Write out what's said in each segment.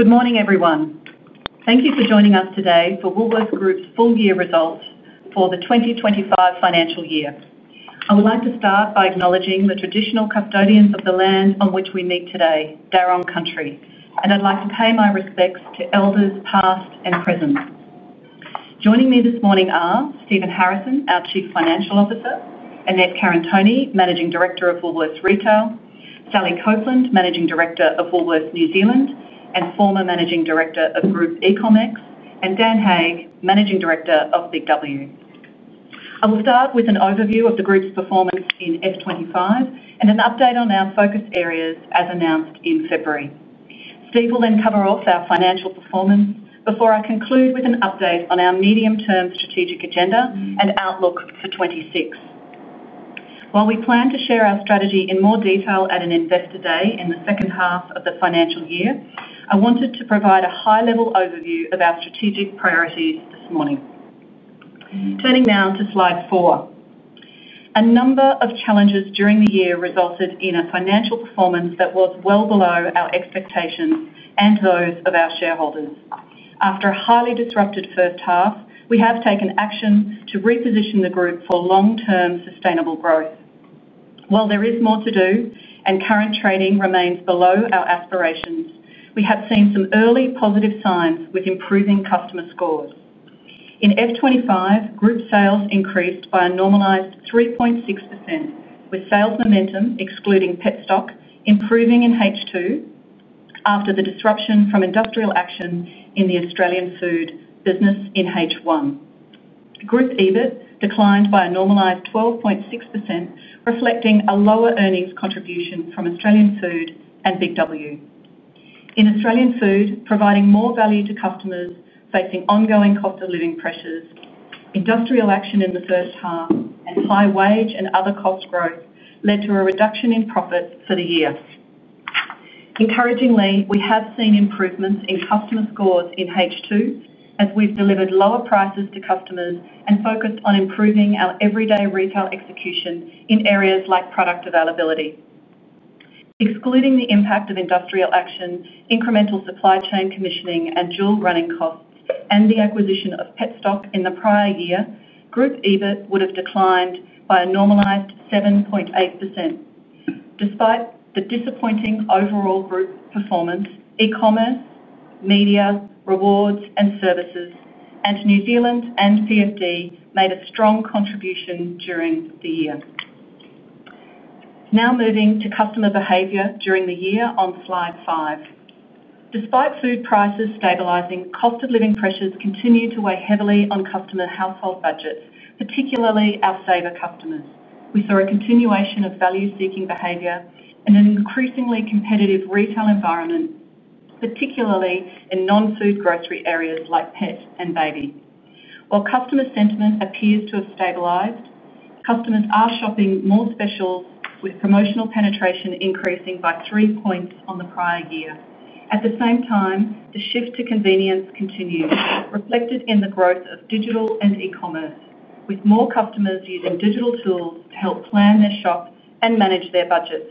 Good morning, everyone. Thank you for joining us today for Woolworths Group's full-year results for the 2025 financial year. I would like to start by acknowledging the traditional custodians of the land on which we meet today, their own country, and I'd like to pay my respects to elders past and present. Joining me this morning are Stephen Harrison, our Chief Financial Officer; Annette Karantoni, Managing Director of Woolworths Retail; Sally Copland, Managing Director of Woolworths New Zealand, and former Managing Director of Group Ecommerce; and Dan Hake, Managing Director of BIG W. I will start with an overview of the group's performance in FY 2025 and an update on our focus areas as announced in February. Steve will then cover off our financial performance before I conclude with an update on our medium-term strategic agenda and outlook for 2026. While we plan to share our strategy in more detail at an Investor Day in the second half of the financial year, I wanted to provide a high-level overview of our strategic priorities this morning. Turning now to slide four, a number of challenges during the year resulted in a financial performance that was well below our expectations and those of our shareholders. After a highly disruptive first half, we have taken action to reposition the group for long-term sustainable growth. While there is more to do and current trading remains below our aspirations, we have seen some early positive signs with improving customer scores. In FY 2025, group sales increased by a normalized 3.6%, with sales momentum excluding Petstock improving in H2 after the disruption from industrial action in the Australian Food business in H1. Group EBIT declined by a normalized 12.6%, reflecting a lower earnings contribution from Australian Food and BIG W. In Australian Food, providing more value to customers facing ongoing cost of living pressures, industrial action in the first half, high wage, and other cost growth led to a reduction in profits for the year. Encouragingly, we have seen improvements in customer scores in H2 as we've delivered lower prices to customers and focused on improving our everyday retail execution in areas like product availability. Excluding the impact of industrial action, incremental supply chain commissioning and dual running costs, and the acquisition of Petstock in the prior year, group EBIT would have declined by a normalized 7.8%. Despite the disappointing overall group performance, e-commerce, media, rewards and services, and New Zealand and CSD made a strong contribution during the year. Now moving to customer behavior during the year on slide five. Despite food prices stabilizing, cost of living pressures continue to weigh heavily on customer household budgets, particularly our saver customers. We saw a continuation of value-seeking behavior in an increasingly competitive retail environment, particularly in non-food grocery areas like pet and baby. While customer sentiment appears to have stabilized, customers are shopping more specials with promotional penetration increasing by three points on the prior year. At the same time, the shift to convenience continues, reflected in the growth of digital and e-commerce, with more customers using digital tools to help plan their shops and manage their budgets.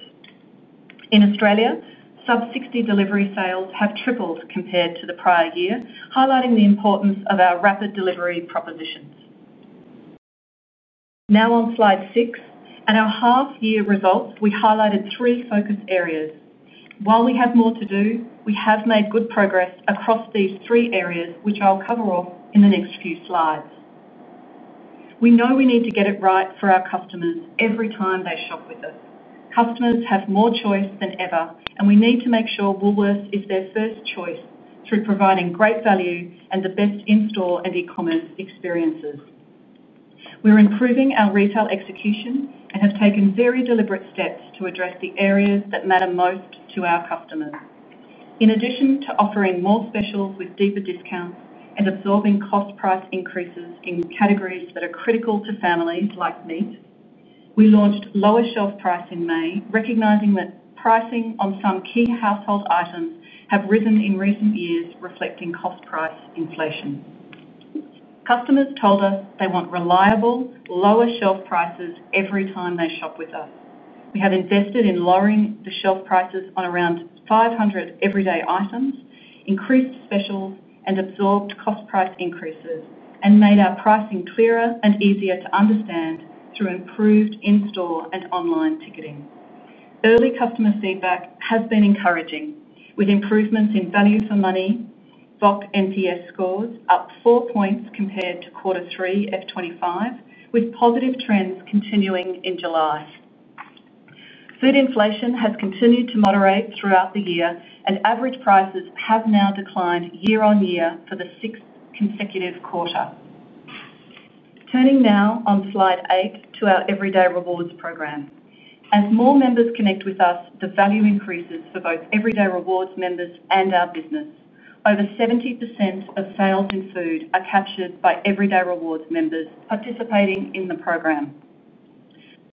In Australia, sub-60 delivery sales have tripled compared to the prior year, highlighting the importance of our rapid delivery propositions. Now on slide six, at our half-year results, we highlighted three focus areas. While we have more to do, we have made good progress across these three areas, which I'll cover off in the next few slides. We know we need to get it right for our customers every time they shop with us. Customers have more choice than ever, and we need to make sure Woolworths is their first choice through providing great value and the best in-store and e-commerce experiences. We're improving our retail execution and have taken very deliberate steps to address the areas that matter most to our customers. In addition to offering more specials with deeper discounts and absorbing cost price increases in categories that are critical to families like meat, we launched lower shelf price in May, recognizing that pricing on some key household items has risen in recent years, reflecting cost price inflation. Customers told us they want reliable, lower shelf prices every time they shop with us. We have invested in lowering the shelf prices on around 500 everyday items, increased specials, and absorbed cost price increases and made our pricing clearer and easier to understand through improved in-store and online ticketing. Early customer feedback has been encouraging, with improvements in value for money, VOC NPS scores up four points compared to quarter three FY 2025, with positive trends continuing in July. Food inflation has continued to moderate throughout the year, and average prices have now declined year on year for the sixth consecutive quarter. Turning now on slide eight to our Everyday Rewards program. As more members connect with us, the value increases for both Everyday Rewards members and our business. Over 70% of sales in food are captured by Everyday Rewards members participating in the program.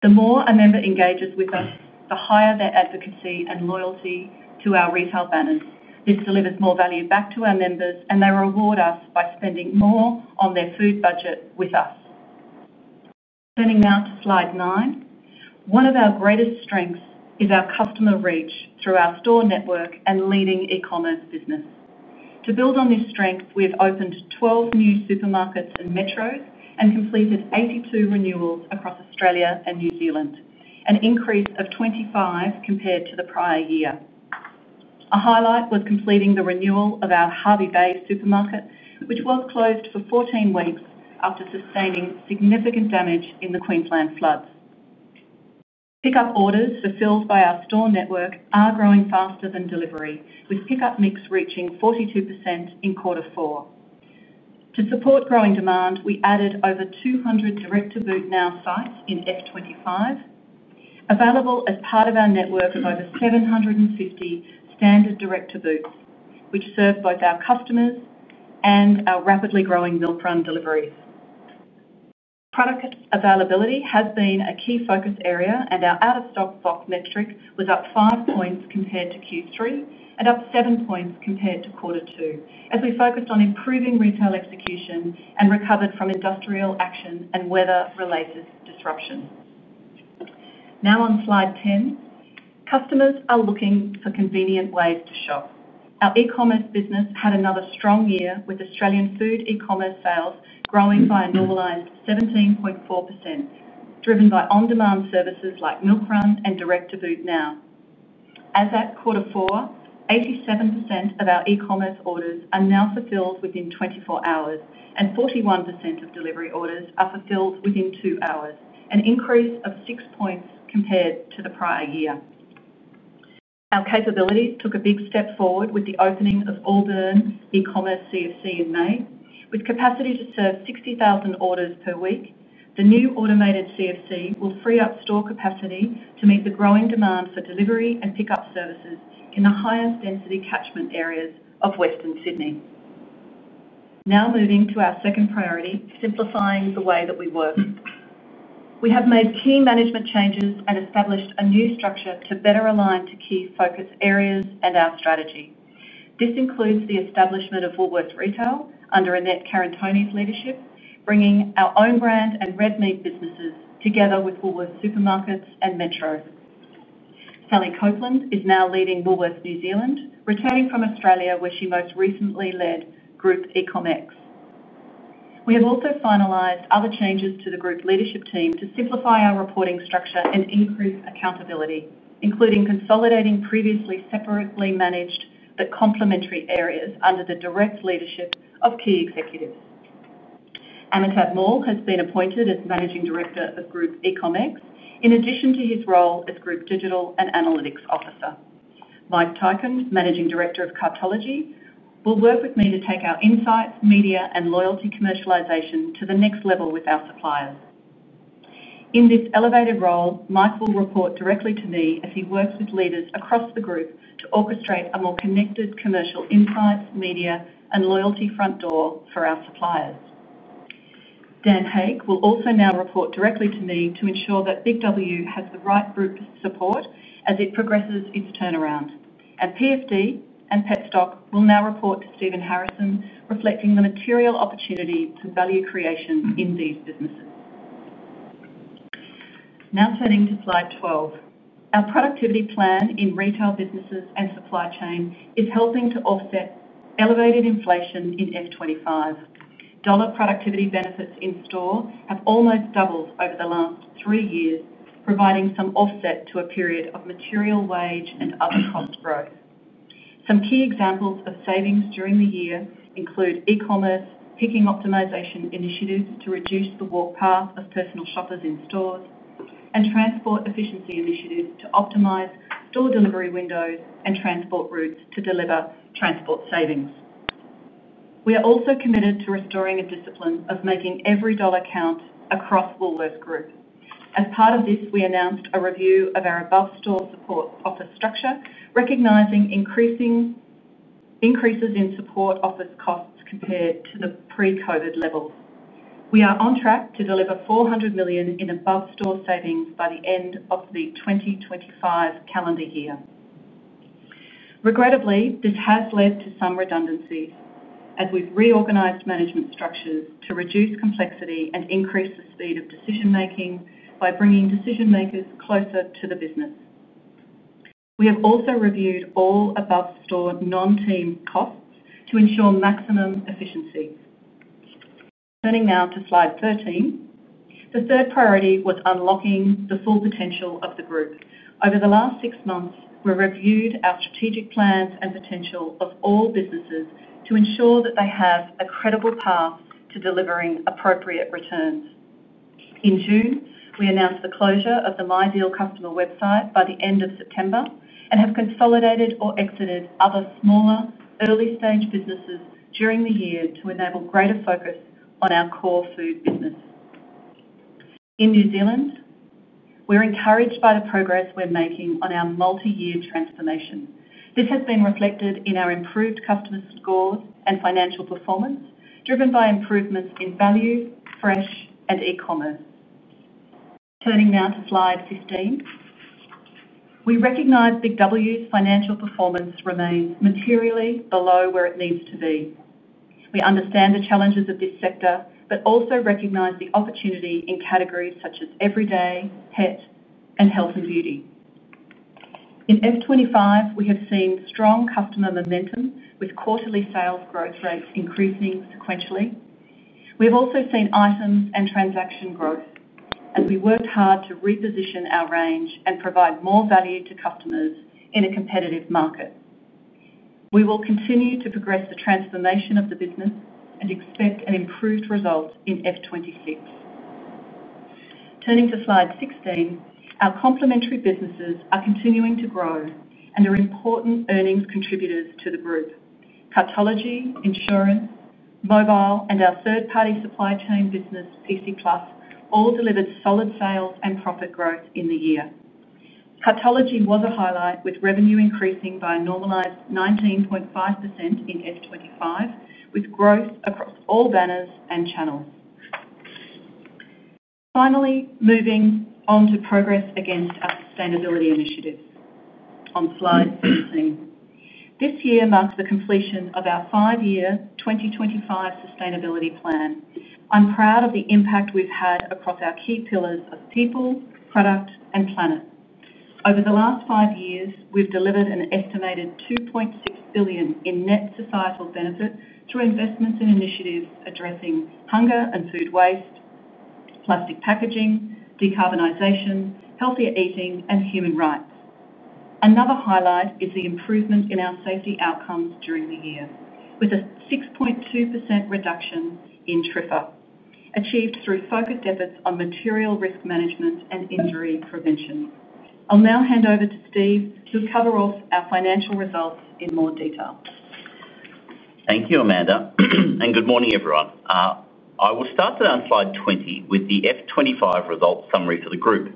The more a member engages with us, the higher their advocacy and loyalty to our retail banners. This delivers more value back to our members, and they reward us by spending more on their food budget with us. Turning now to slide nine, one of our greatest strengths is our customer reach through our store network and leading e-commerce business. To build on this strength, we have opened 12 new supermarkets and Metros and completed 82 renewals across Australia and New Zealand, an increase of 25 compared to the prior year. A highlight was completing the renewal of our Hervey Bay supermarket, which was closed for 14 weeks after sustaining significant damage in the Queensland floods. Pickup orders fulfilled by our store network are growing faster than delivery, with pickup mix reaching 42% in quarter four. To support growing demand, we added over 200 Direct to Boot Now sites in FY 2025, available as part of our network of over 750 standard Direct to Boot sites, which serve both our customers and our rapidly growing Woolworths delivery. Product availability has been a key focus area, and our out-of-stock box metric was up five points compared to Q3 and up seven points compared to quarter two, as we focused on improving retail execution and recovered from industrial action and weather-related disruption. Now on slide 10, customers are looking for convenient ways to shop. Our e-commerce business had another strong year, with Australian Food e-commerce sales growing by a normalized 17.4%, driven by on-demand services like Milk Run and Direct to Boot Now. As at quarter four, 87% of our e-commerce orders are now fulfilled within 24 hours, and 41% of delivery orders are fulfilled within two hours, an increase of six points compared to the prior year. Our capabilities took a big step forward with the opening of Auburn e-commerce CFC in May, with capacity to serve 60,000 orders per week. The new automated CFC will free up store capacity to meet the growing demand for delivery and pickup services in the highest density catchment areas of Western Sydney. Now moving to our second priority, simplifying the way that we work. We have made key management changes and established a new structure to better align to key focus areas and our strategy. This includes the establishment of Woolworths Retail under Annette Karantoni's leadership, bringing our own brand and red meat businesses together with Woolworths supermarkets and metros. Sally Copland is now leading Woolworths New Zealand, returning from Australia, where she most recently led Group Ecommerce. We have also finalized other changes to the group leadership team to simplify our reporting structure and increase accountability, including consolidating previously separately managed but complementary areas under the direct leadership of key executives. Amitabh Mall has been appointed as Managing Director of Group Ecommerce, in addition to his role as Group Digital and Analytics Officer. Mike Tyquin, Managing Director of Cartology, will work with me to take our insights, media, and loyalty commercialization to the next level with our suppliers. In this elevated role, Mike will report directly to me as he works with leaders across the group to orchestrate a more connected commercial insights, media, and loyalty front door for our suppliers. Dan Hake will also now report directly to me to ensure that BIG W has the right group support as it progresses its turnaround. PFD and Petstock will now report to Stephen Harrison, reflecting the material opportunity for value creation in these businesses. Now turning to slide 12, our productivity plan in retail businesses and supply chain is helping to offset elevated inflation in 2025. Dollar productivity benefits in store have almost doubled over the last three years, providing some offset to a period of material wage and other cost growth. Some key examples of savings during the year include e-commerce picking optimization initiatives to reduce the walk path of personal shoppers in stores, and transport efficiency initiatives to optimize store delivery windows and transport routes to deliver transport savings. We are also committed to restoring a discipline of making every dollar count across Woolworths Group. As part of this, we announced a review of our above-store support office structure, recognizing increases in support office costs compared to the pre-COVID levels. We are on track to deliver 400 million in above-store savings by the end of the 2025 calendar year. Regrettably, this has led to some redundancies, as we've reorganized management structures to reduce complexity and increase the speed of decision-making by bringing decision-makers closer to the business. We have also reviewed all above-store non-team costs to ensure maximum efficiency. Turning now to slide 13, the third priority was unlocking the full potential of the group. Over the last six months, we reviewed our strategic plan and potential of all businesses to ensure that they have a credible path to delivering appropriate returns. In June, we announced the closure of the My Deal customer website by the end of September and have consolidated or exited other smaller early-stage businesses during the year to enable greater focus on our core food business. In New Zealand, we're encouraged by the progress we're making on our multi-year transformation. This has been reflected in our improved customer scores and financial performance, driven by improvements in value, fresh, and e-commerce. Turning now to slide 15, we recognize BIG W's financial performance remains materially below where it needs to be. We understand the challenges of this sector, but also recognize the opportunity in categories such as everyday, pet, and health and beauty. In 2025, we have seen strong customer momentum, with quarterly sales growth rates increasing sequentially. We have also seen items and transaction growth, and we worked hard to reposition our range and provide more value to customers in a competitive market. We will continue to progress the transformation of the business and expect an improved result in 2026. Turning to slide 16, our complementary businesses are continuing to grow and are important earnings contributors to the group. Cartology, insurance, mobile, and our third-party supply chain business, Pixi Plus, all delivered solid sales and profit growth in the year. Cartology was a highlight, with revenue increasing by a normalized 19.5% in 2025, with growth across all banners and channels. Finally, moving on to progress against our sustainability initiatives on slide 17. This year marks the completion of our five-year 2025 sustainability plan. I'm proud of the impact we've had across our key pillars of people, product, and planet. Over the last five years, we've delivered an estimated 2.6 billion in net societal benefit through investments and initiatives addressing hunger and food waste, plastic packaging, decarbonization, healthier eating, and human rights. Another highlight is the improvement in our safety outcomes during the year, with a 6.2% reduction in TRIFA achieved through focused efforts on material risk management and injury prevention. I'll now hand over to Steve to cover off our financial results in more detail. Thank you, Amanda, and good morning, everyone. I will start on slide 20 with the FY 2025 results summary for the group.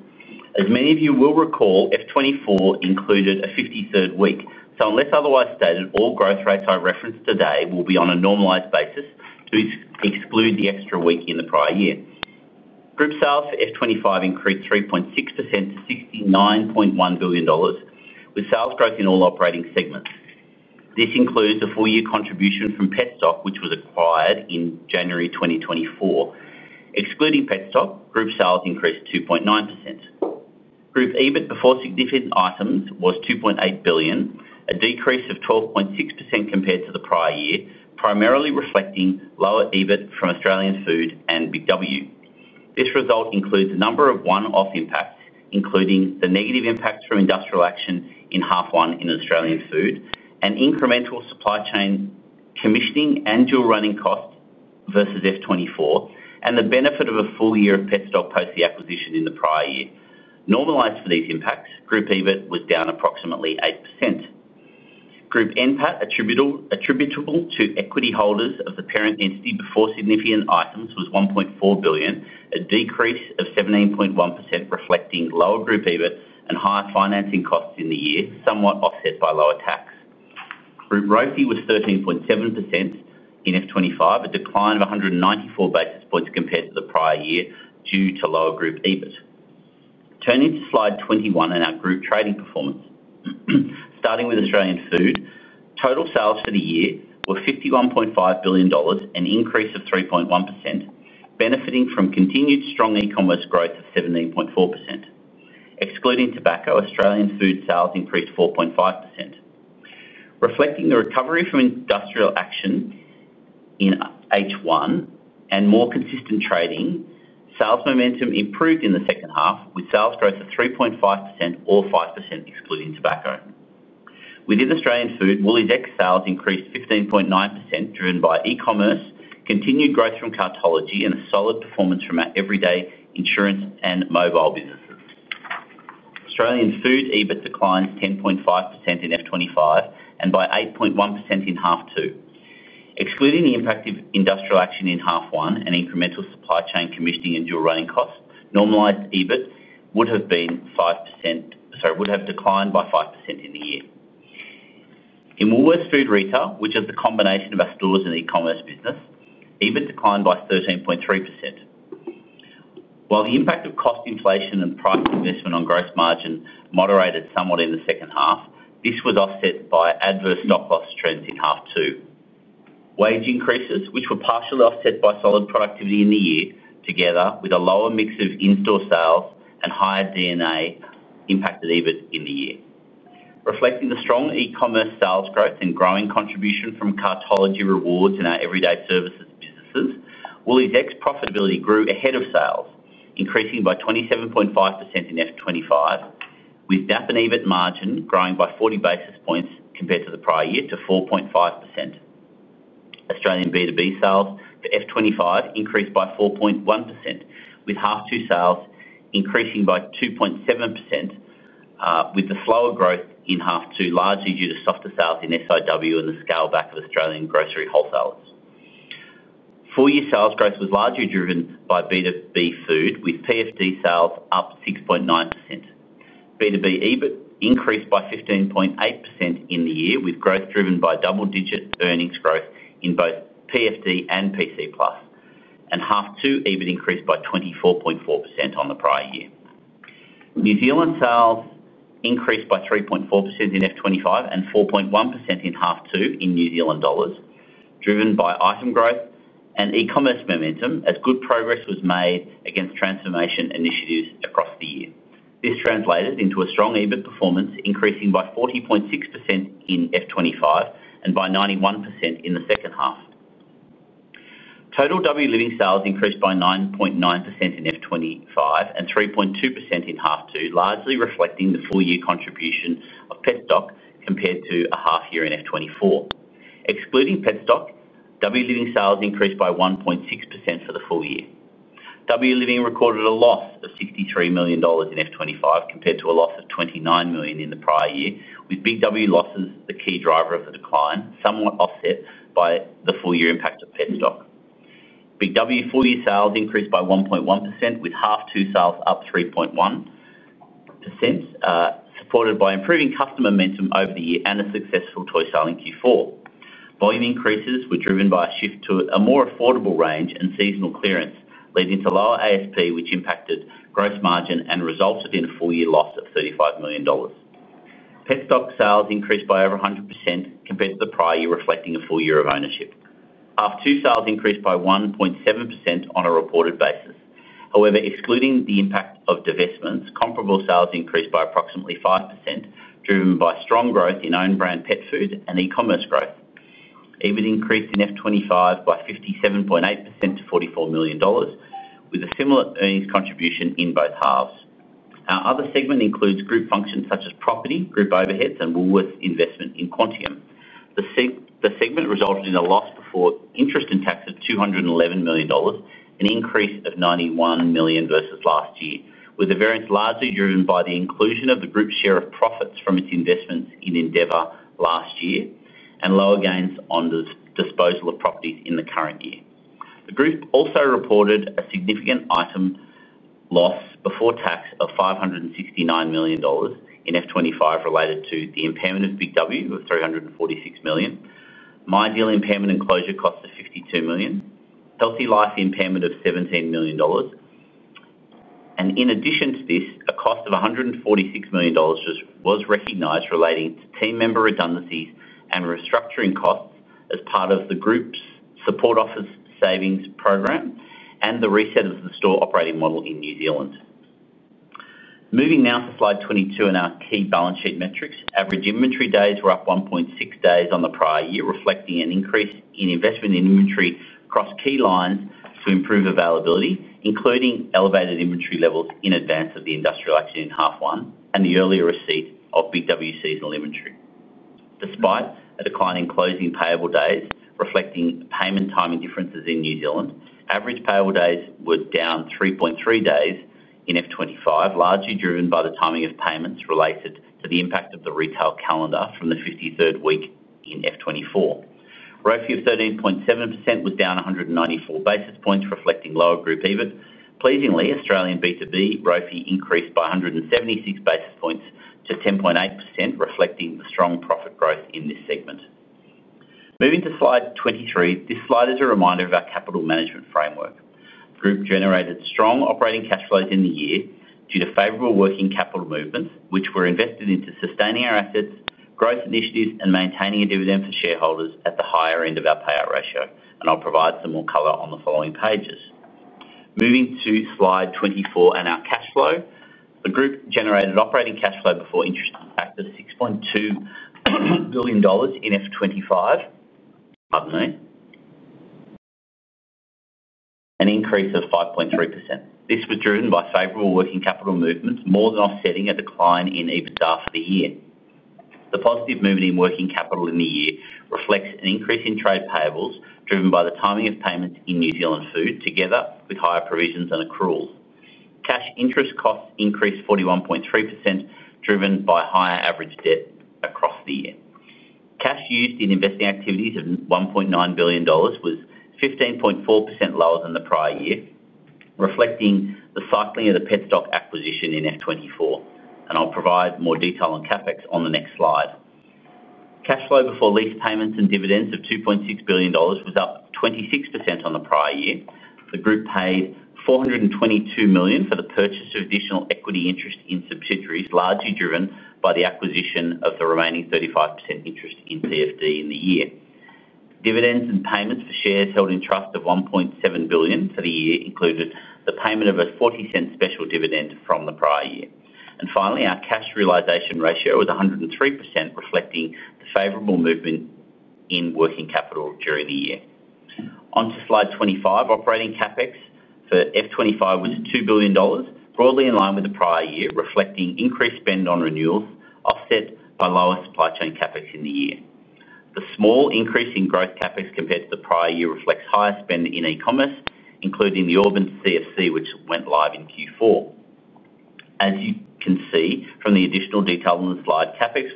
As many of you will recall, FY 2024 included a 53rd week. Unless otherwise stated, all growth rates I reference today will be on a normalized basis to exclude the extra week in the prior year. Group sales for FY 2025 increased 3.6% to 69.1 billion dollars, with sales growth in all operating segments. This includes a full-year contribution from Petstock, which was acquired in January 2024. Excluding Petstock, group sales increased 2.9%. Group EBIT before significant items was 2.8 billion, a decrease of 12.6% compared to the prior year, primarily reflecting lower EBIT from Australian Food and BIG W. This result includes a number of one-off impacts, including the negative impacts from industrial action in half one in Australian Food and incremental supply chain commissioning and dual running costs versus FY 2024, and the benefit of a full year of Petstock post the acquisition in the prior year. Normalized for these impacts, group EBIT was down approximately 8%. Group NPAT, attributable to equity holders of the parent entity before significant items, was 1.4 billion, a decrease of 17.1%, reflecting lower group EBIT and higher financing costs in the year, somewhat offset by lower tax. Group ROEV was 13.7% in FY 2025, a decline of 194 basis points compared to the prior year due to lower group EBIT. Turning to slide 21 and our group trading performance, starting with Australian Food, total sales for the year were AUD 51.5 billion, an increase of 3.1%, benefiting from continued strong e-commerce growth of 17.4%. Excluding tobacco, Australian Food sales increased 4.5%. Reflecting the recovery from industrial action in H1 and more consistent trading, sales momentum improved in the second half, with sales growth of 3.5% or 5% excluding tobacco. Within Australian Food, WooliesX sales increased 15.9%, driven by e-commerce, continued growth from Cartology, and a solid performance from our Everyday Rewards, insurance, and mobile businesses. Australian Food EBIT declined 10.5% in FY 2025 and by 8.1% in half two. Excluding the impact of industrial action in half one and incremental supply chain commissioning and dual running costs, normalized EBIT would have declined by 5% in the year. In Woolworths Food Retail, which is the combination of our stores and e-commerce business, EBIT declined by 13.3%. While the impact of cost inflation and price investment on gross margins moderated somewhat in the second half, this was offset by adverse stock loss trends in half two. Wage increases, which were partially offset by solid productivity in the year, together with a lower mix of in-store sales and higher DNA, impacted EBIT in the year. Reflecting the strong e-commerce sales growth and growing contribution from Cartology, Everyday Rewards, and our Everyday Services businesses, Woolworths Group's ex-profitability grew ahead of sales, increasing by 27.5% in FY 2025 with DAP and EBIT margin growing by 40 basis points compared to the prior year to 4.5%. Australian B2B sales for FY 2025 increased by 4.1%, with half two sales increasing by 2.7%, with the slower growth in half two largely due to softer sales in PFD and the scale back of Australian grocery wholesalers. Full-year sales growth was largely driven by B2B Food, with PFD sales up 6.9%. B2B EBIT increased by 15.8% in the year, with growth driven by double-digit earnings growth in both PFD and PFD Plus, and half two EBIT increased by 24.4% on the prior year. New Zealand sales increased by 3.4% in FY 2025 and 4.1% in half two in New Zealand dollars, driven by item growth and e-commerce momentum as good progress was made against transformation initiatives across the year. This translated into a strong EBIT performance increasing by 40.6% in FY 2025 and by 91% in the second half. Total W Living sales increased by 9.9% in FY 2025 and 3.2% in half two, largely reflecting the full-year contribution of Petstock compared to a half year in FY 2024. Excluding Petstock, W Living sales increased by 1.6% for the full year. W Living recorded a loss of 63 million dollars in FY 2025 compared to a loss of 29 million in the prior year, with BIG W losses the key driver of the decline, somewhat offset by the full-year impact of Petstock. BIG W full-year sales increased by 1.1%, with half two sales up 3.1%, supported by improving customer momentum over the year and a successful toy sale in Q4. Volume increases were driven by a shift to a more affordable range and seasonal clearance, leading to lower ASP, which impacted gross margin and resulted in a full-year loss of 35 million dollars. Petstock sales increased by over 100% compared to the prior year, reflecting a full year of ownership. Half two sales increased by 1.7% on a reported basis. However, excluding the impact of divestments, comparable sales increased by approximately 5%, driven by strong growth in own-brand pet food and e-commerce growth. EBIT increased in FY 2025 by 57.8% to 44 million dollars, with a similar earnings contribution in both halves. Our other segment includes group functions such as property, group overheads, and Woolworths investment in Quantium. The segment resulted in a loss before interest and tax of 211 million dollars, an increase of 91 million versus last year, with a variance largely driven by the inclusion of the group's share of profits from its investments in Endeavour last year and lower gains on the disposal of properties in the current year. The group also reported a significant item loss before tax of 569 million dollars in FY 2025 related to the impairment of BIG W of 346 million, MyDeal impairment and closure costs of 52 million, Healthy Life impairment of 17 million dollars. In addition to this, a cost of 146 million dollars was recognized relating to team member redundancies and restructuring costs as part of the group's support office savings program and the reset of the store operating model in New Zealand. Moving now to slide 22 and our key balance sheet metrics, average inventory days were up 1.6 days on the prior year, reflecting an increase in investment in inventory across key lines to improve availability, including elevated inventory levels in advance of the industrial action in half one and the earlier receipt of BIG W seasonal inventory. Despite a decline in closing payable days, reflecting payment timing differences in New Zealand, average payable days were down 3.3 days in FY 2025, largely driven by the timing of payments related to the impact of the retail calendar from the 53rd week in FY 2024. ROEV of 13.7% was down 194 basis points, reflecting lower group EBIT. Pleasingly, Australian B2B ROEV increased by 176 basis points to 10.8%, reflecting the strong profit growth in this segment. Moving to slide 23, this slide is a reminder of our capital management framework. The group generated strong operating cash flows in the year due to favorable working capital movements, which were invested into sustaining our assets, growth initiatives, and maintaining a dividend for shareholders at the higher end of our payout ratio. I'll provide some more color on the following pages. Moving to slide 24 and our cash flow, the group generated operating cash flow before interest and tax of 6.2 billion dollars in 2025, pardon me, an increase of 5.3%. This was driven by favorable working capital movements, more than offsetting a decline in EBITDA for the year. The positive movement in working capital in the year reflects an increase in trade payables driven by the timing of payments in New Zealand food, together with higher provisions and accruals. Cash interest costs increased 41.3%, driven by higher average debt across the year. Cash used in investing activities of 1.9 billion dollars was 15.4% lower than the prior year, reflecting the cycling of the Petstock acquisition in 2024. I'll provide more detail on CapEx on the next slide. Cash flow before lease payments and dividends of 2.6 billion dollars was up 26% on the prior year. The group paid 422 million for the purchase of additional equity interest in subsidiaries, largely driven by the acquisition of the remaining 35% interest in PFD in the year. Dividends and payments for shares held in trust of AUD 1.7 billion for the year included the payment of a 0.40 special dividend from the prior year. Finally, our cash realization ratio was 103%, reflecting the favorable movement in working capital during the year. Onto slide 25, operating CapEx for 2025 was 2 billion dollars, broadly in line with the prior year, reflecting increased spend on renewals offset by lower supply chain CapEx in the year. The small increase in growth CapEx compared to the prior year reflects higher spend in e-commerce, including the Auburn CFC, which went live in Q4. As you can see from the additional detail on the slide, CapEx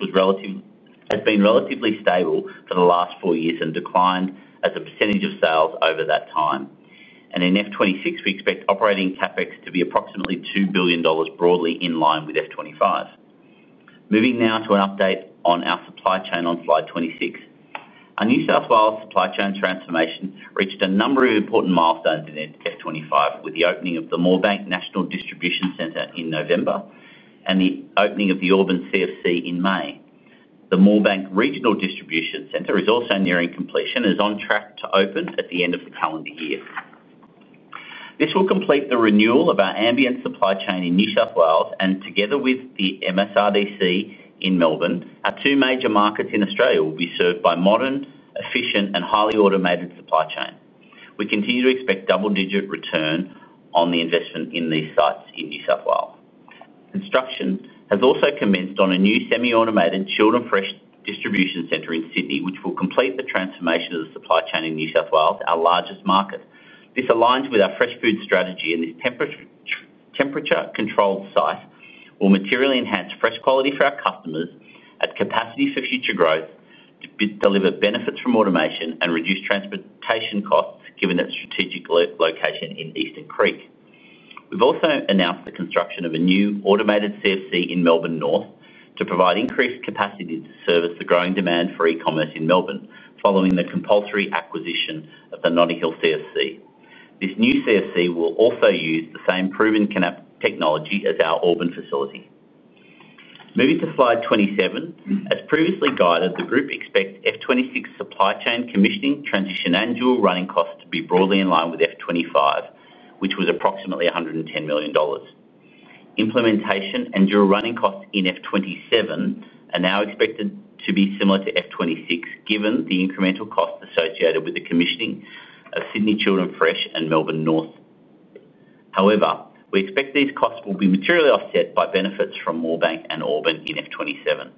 has been relatively stable for the last four years and declined as a percentage of sales over that time. In 2026, we expect operating CapEx to be approximately 2 billion dollars, broadly in line with 2025. Moving now to an update on our supply chain on slide 26. Our New South Wales supply chain transformation reached a number of important milestones in 2025, with the opening of the Moorebank National Distribution Centre in November and the opening of the Auburn CFC in May. The Moorebank Regional Distribution Centre is also nearing completion and is on track to open at the end of the calendar year. This will complete the renewal of our ambient supply chain in New South Wales, and together with the MSRDC in Melbourne, our two major markets in Australia will be served by modern, efficient, and highly automated supply chains. We continue to expect double-digit return on the investment in these sites in New South Wales. Construction has also commenced on a new semi-automated children's fresh distribution center in Sydney, which will complete the transformation of the supply chain in New South Wales, our largest market. This aligns with our fresh food strategy, and this temperature-controlled site will materially enhance fresh quality for our customers and capacity for future growth, to deliver benefits from automation and reduce transportation costs, given its strategic location in Eastern Creek. We've also announced the construction of a new automated CFC in Melbourne North to provide increased capacity to service the growing demand for e-commerce in Melbourne following the compulsory acquisition of the Notting Hill CFC. This new CFC will also use the same proven technology as our Auburn facility. Moving to slide 27, as previously guided, the group expects FY 2026 supply chain commissioning, transition, and dual running costs to be broadly in line with FY 2025, which was approximately 110 million dollars. Implementation and dual running costs in FY 2027 are now expected to be similar to FY 2026, given the incremental costs associated with the commissioning of Sydney children's fresh and Melbourne North. However, we expect these costs will be materially offset by benefits from Moorebank and Auburn in FY 2027.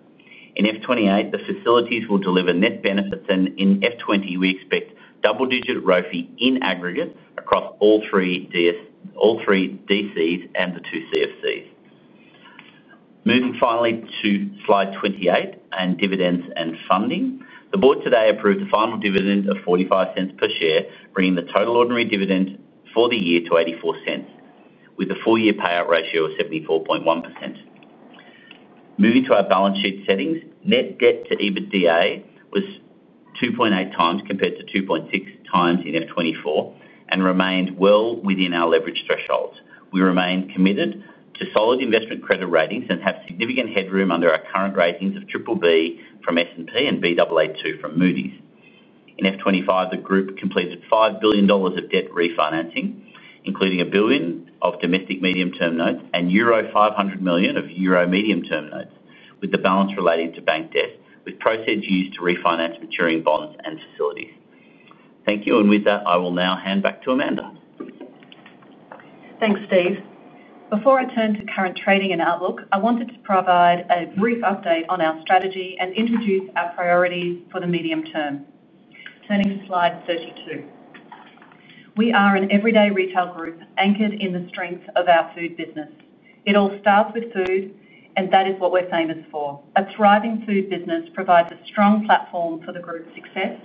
In FY 2028, the facilities will deliver net benefits, and in FY 2029, we expect double-digit ROEV in aggregate across all three DCs and the two CFCs. Moving finally to slide 28 and dividends and funding, the board today approved the final dividend of 0.45 per share, bringing the total ordinary dividend for the year to 0.84, with a full-year payout ratio of 74.1%. Moving to our balance sheet settings, net debt to EBITDA was 2.8x compared to 2.6x in FY 2024 and remained well within our leverage thresholds. We remain committed to solid investment credit ratings and have significant headroom under our current ratings of BBB from S&P and Baa2 from Moody's. In FY 2025, the group completed 5 billion dollars of debt refinancing, including 1 billion of domestic medium-term notes and 500 million euro of EUR medium-term notes, with the balance related to bank debt, with proceeds used to refinance maturing bonds and facilities. Thank you, and with that, I will now hand back to Amanda. Thanks, Steve. Before I turn to current trading and outlook, I wanted to provide a brief update on our strategy and introduce our priorities for the medium term. Turning to slide 32, we are an everyday retail group anchored in the strength of our food business. It all starts with food, and that is what we're famous for. A thriving food business provides a strong platform for the group's success,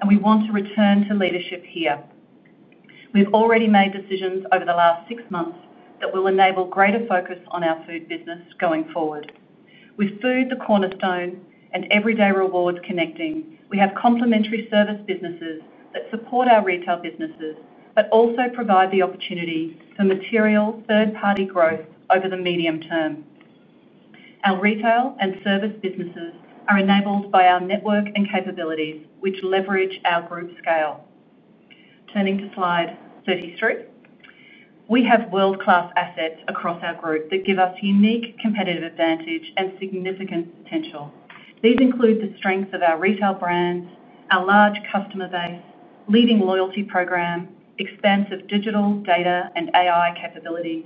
and we want to return to leadership here. We've already made decisions over the last six months that will enable greater focus on our food business going forward. With food the cornerstone and Everyday Rewards connecting, we have complementary service businesses that support our retail businesses but also provide the opportunity for material third-party growth over the medium term. Our retail and service businesses are enabled by our network and capabilities, which leverage our group's scale. Turning to slide 33, we have world-class assets across our group that give us unique competitive advantage and significant potential. These include the strengths of our retail brands, our large customer base, leading loyalty program, expansive digital data and AI capabilities,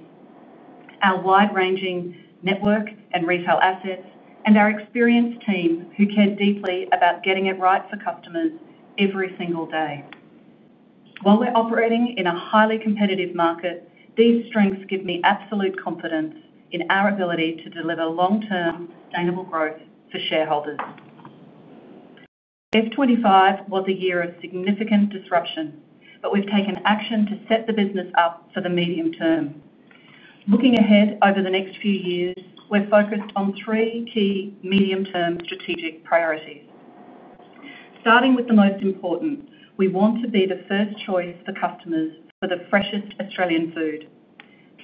our wide-ranging network and retail assets, and our experienced team who care deeply about getting it right for customers every single day. While we're operating in a highly competitive market, these strengths give me absolute confidence in our ability to deliver long-term valuable growth for shareholders. FY 2025 was a year of significant disruption, but we've taken action to set the business up for the medium term. Looking ahead over the next few years, we're focused on three key medium-term strategic priorities. Starting with the most important, we want to be the first choice for customers for the freshest Australian food.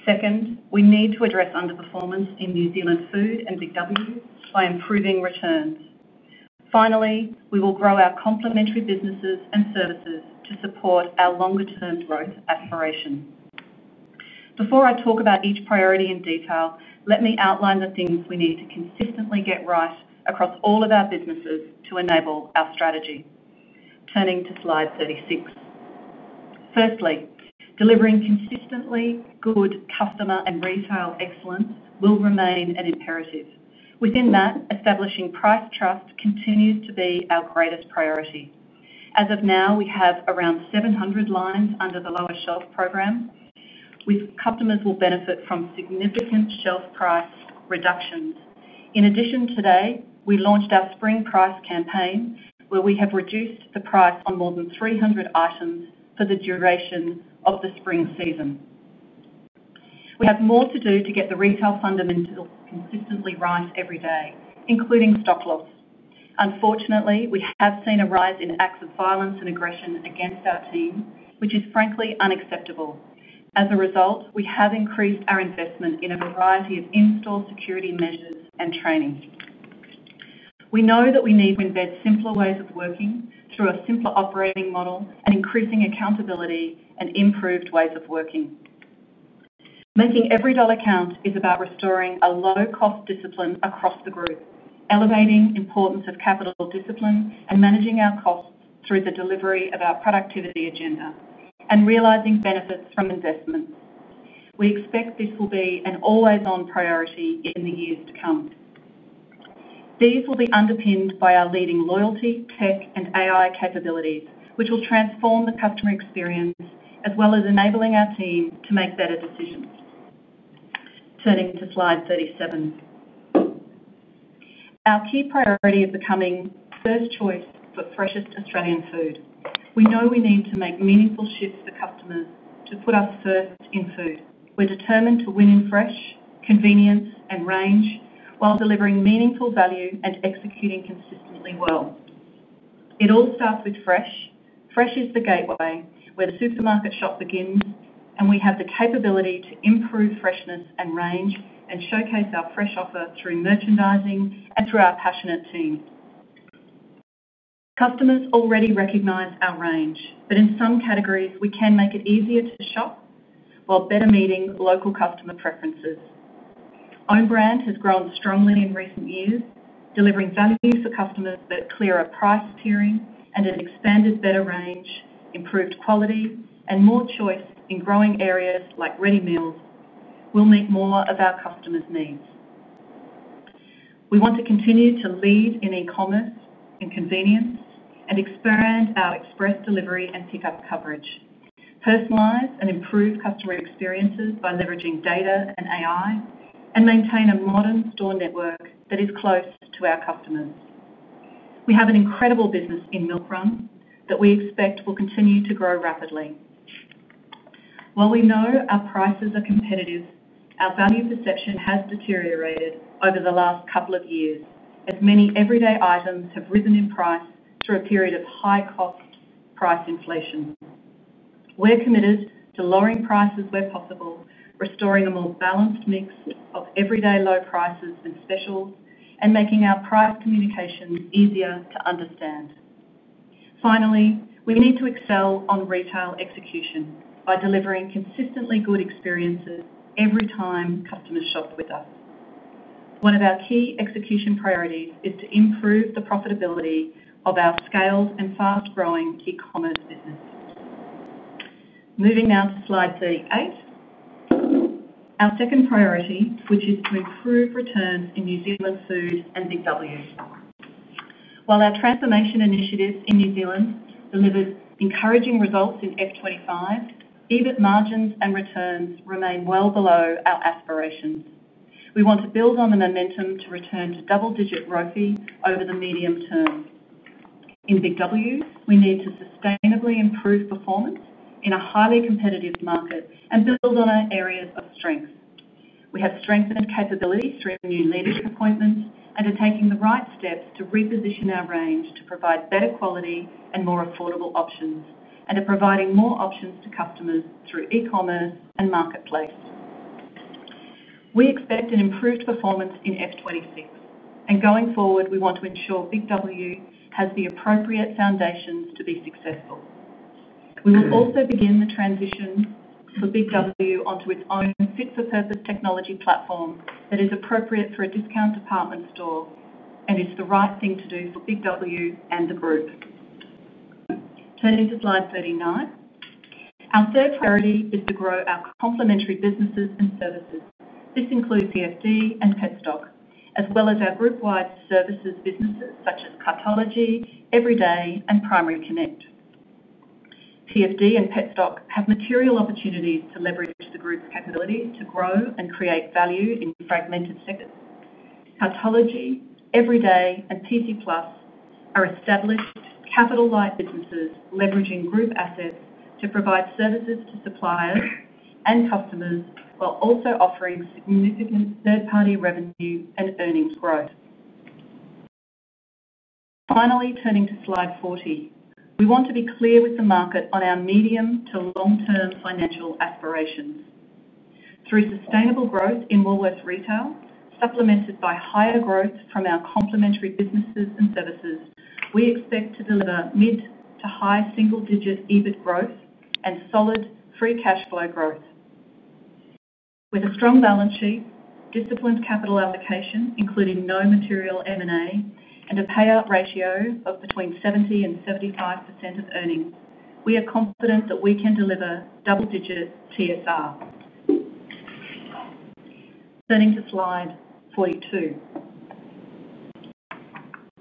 Second, we need to address underperformance in New Zealand food and BIG W by improving returns. Finally, we will grow our complementary businesses and services to support our longer-term growth aspiration. Before I talk about each priority in detail, let me outline the things we need to consistently get right across all of our businesses to enable our strategy. Turning to slide 36. Firstly, delivering consistently good customer and retail excellence will remain an imperative. Within that, establishing price trust continues to be our greatest priority. As of now, we have around 700 lines under the lower shelf program, with customers who will benefit from significant shelf price reductions. In addition, today we launched our spring price campaign, where we have reduced the price on more than 300 items for the duration of the spring season. We have more to do to get the retail fundamentals consistently right every day, including stop loss. Unfortunately, we have seen a rise in acts of violence and aggression against our team, which is frankly unacceptable. As a result, we have increased our investment in a variety of in-store security measures and training. We know that we need to embed simpler ways of working through a simpler operating model and increasing accountability and improved ways of working. Making every dollar count is about restoring a low-cost discipline across the group, elevating the importance of capital discipline and managing our costs through the delivery of our productivity agenda and realizing benefits from investment. We expect this will be an always-on priority in the years to come. These will be underpinned by our leading loyalty tech and AI capabilities, which will transform the customer experience, as well as enabling our team to make better decisions. Turning to slide 37, our key priority is becoming first choice for freshest Australian Food. We know we need to make meaningful shifts for customers to put our first in food. We're determined to win in fresh, convenience, and range while delivering meaningful value and executing consistently well. It all starts with fresh. Fresh is the gateway where the supermarket shop begins, and we have the capability to improve freshness and range and showcase our fresh offer through merchandising and through our passionate team. Customers already recognize our range, but in some categories, we can make it easier to shop while better meeting local customer preferences. Own brand has grown strongly in recent years, delivering value for customers that clear our price tiering, and it expanded better range, improved quality, and more choice in growing areas like ready meals will meet more of our customers' needs. We want to continue to lead in e-commerce and convenience and expand our express delivery and pickup coverage, personalize and improve customer experiences by leveraging data and AI, and maintain a modern store network that is close to our customers. We have an incredible business in Milk Run that we expect will continue to grow rapidly. While we know our prices are competitive, our value perception has deteriorated over the last couple of years, as many everyday items have risen in price through a period of high cost price inflation. We're committed to lowering prices where possible, restoring a more balanced mix of everyday low prices and specials, and making our product communications easier to understand. Finally, we need to excel on retail execution by delivering consistently good experiences every time customers shop with us. One of our key execution priorities is to improve the profitability of our scaled and fast-growing e-commerce business. Moving now to slide 38, our second priority, which is to improve returns in New Zealand Food and BIG W. While our transformation initiatives in New Zealand deliver encouraging results in FY 2025, EBIT margins and returns remain well below our aspirations. We want to build on the momentum to return to double-digit ROEV over the medium term. In BIG W, we need to sustainably improve performance in a highly competitive market and build on our areas of strength. We have strengthened capabilities through our new leadership appointment and are taking the right steps to reposition our range to provide better quality and more affordable options and are providing more options to customers through e-commerce and marketplace. We expect an improved performance in 2026, and going forward, we want to ensure BIG W has the appropriate foundations to be successful. We will also begin the transition for BIG W onto its own fit-for-purpose technology platform that is appropriate for a discount department store and is the right thing to do for BIG W and the group. Turning to slide 39, our third priority is to grow our complementary businesses and services. This includes PFD and Petstock, as well as our group-wide services businesses such as Cartology, Everyday Rewards, and Primary Connect. PFD and Petstock have material opportunities to leverage the group's capabilities to grow and create value in fragmented sectors. Cartology, Everyday Rewards, and Primary Connect are established capital-light businesses leveraging group assets to provide services to suppliers and customers while also offering significant third-party revenue and earnings growth. Finally, turning to slide 40, we want to be clear with the market on our medium to long-term financial aspirations. Through sustainable growth in Woolworths Retail, supplemented by higher growth from our complementary businesses and services, we expect to deliver mid to high single-digit EBIT growth and solid free cash flow growth. With a strong balance sheet, disciplined capital allocation, including no material M&A, and a payout ratio of between 70% and 75% of earnings, we are confident that we can deliver double-digit TSR. Turning to slide 42,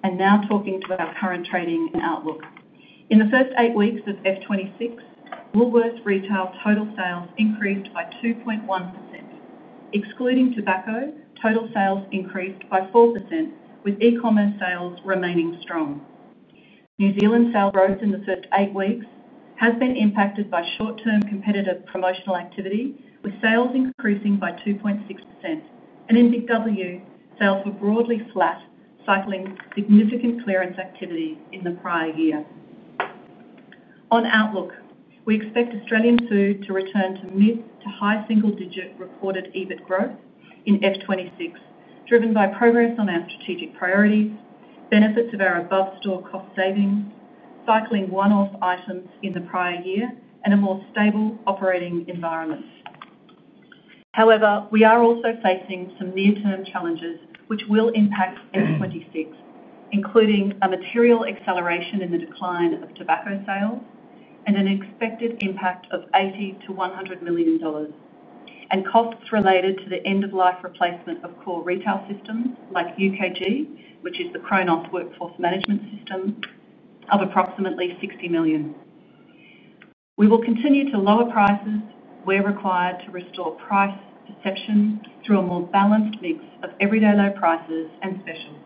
and now talking about current trading and outlook. In the first eight weeks of FY 2026, Woolworths Retail total sales increased by 2.1%. Excluding tobacco, total sales increased by 4%, with e-commerce sales remaining strong. New Zealand sales growth in the first eight weeks has been impacted by short-term competitive promotional activity, with sales increasing by 2.6%. In BIG W, sales were broadly flat, cycling significant clearance activities in the prior year. On outlook, we expect Australian Food to return to mid to high single-digit reported EBIT growth in FY 2026, driven by progress on our strategic priorities, benefits of our above-store cost savings, cycling one-off items in the prior year, and a more stable operating environment. However, we are also facing some near-term challenges, which will impact FY 2026, including a material acceleration in the decline of tobacco sales and an expected impact of 80 million-100 million dollars, and costs related to the end-of-life replacement of core retail systems like UKG, which is the Kronos workforce management system, of approximately 60 million. We will continue to lower prices where required to restore price perception through a more balanced mix of everyday low prices and sessions.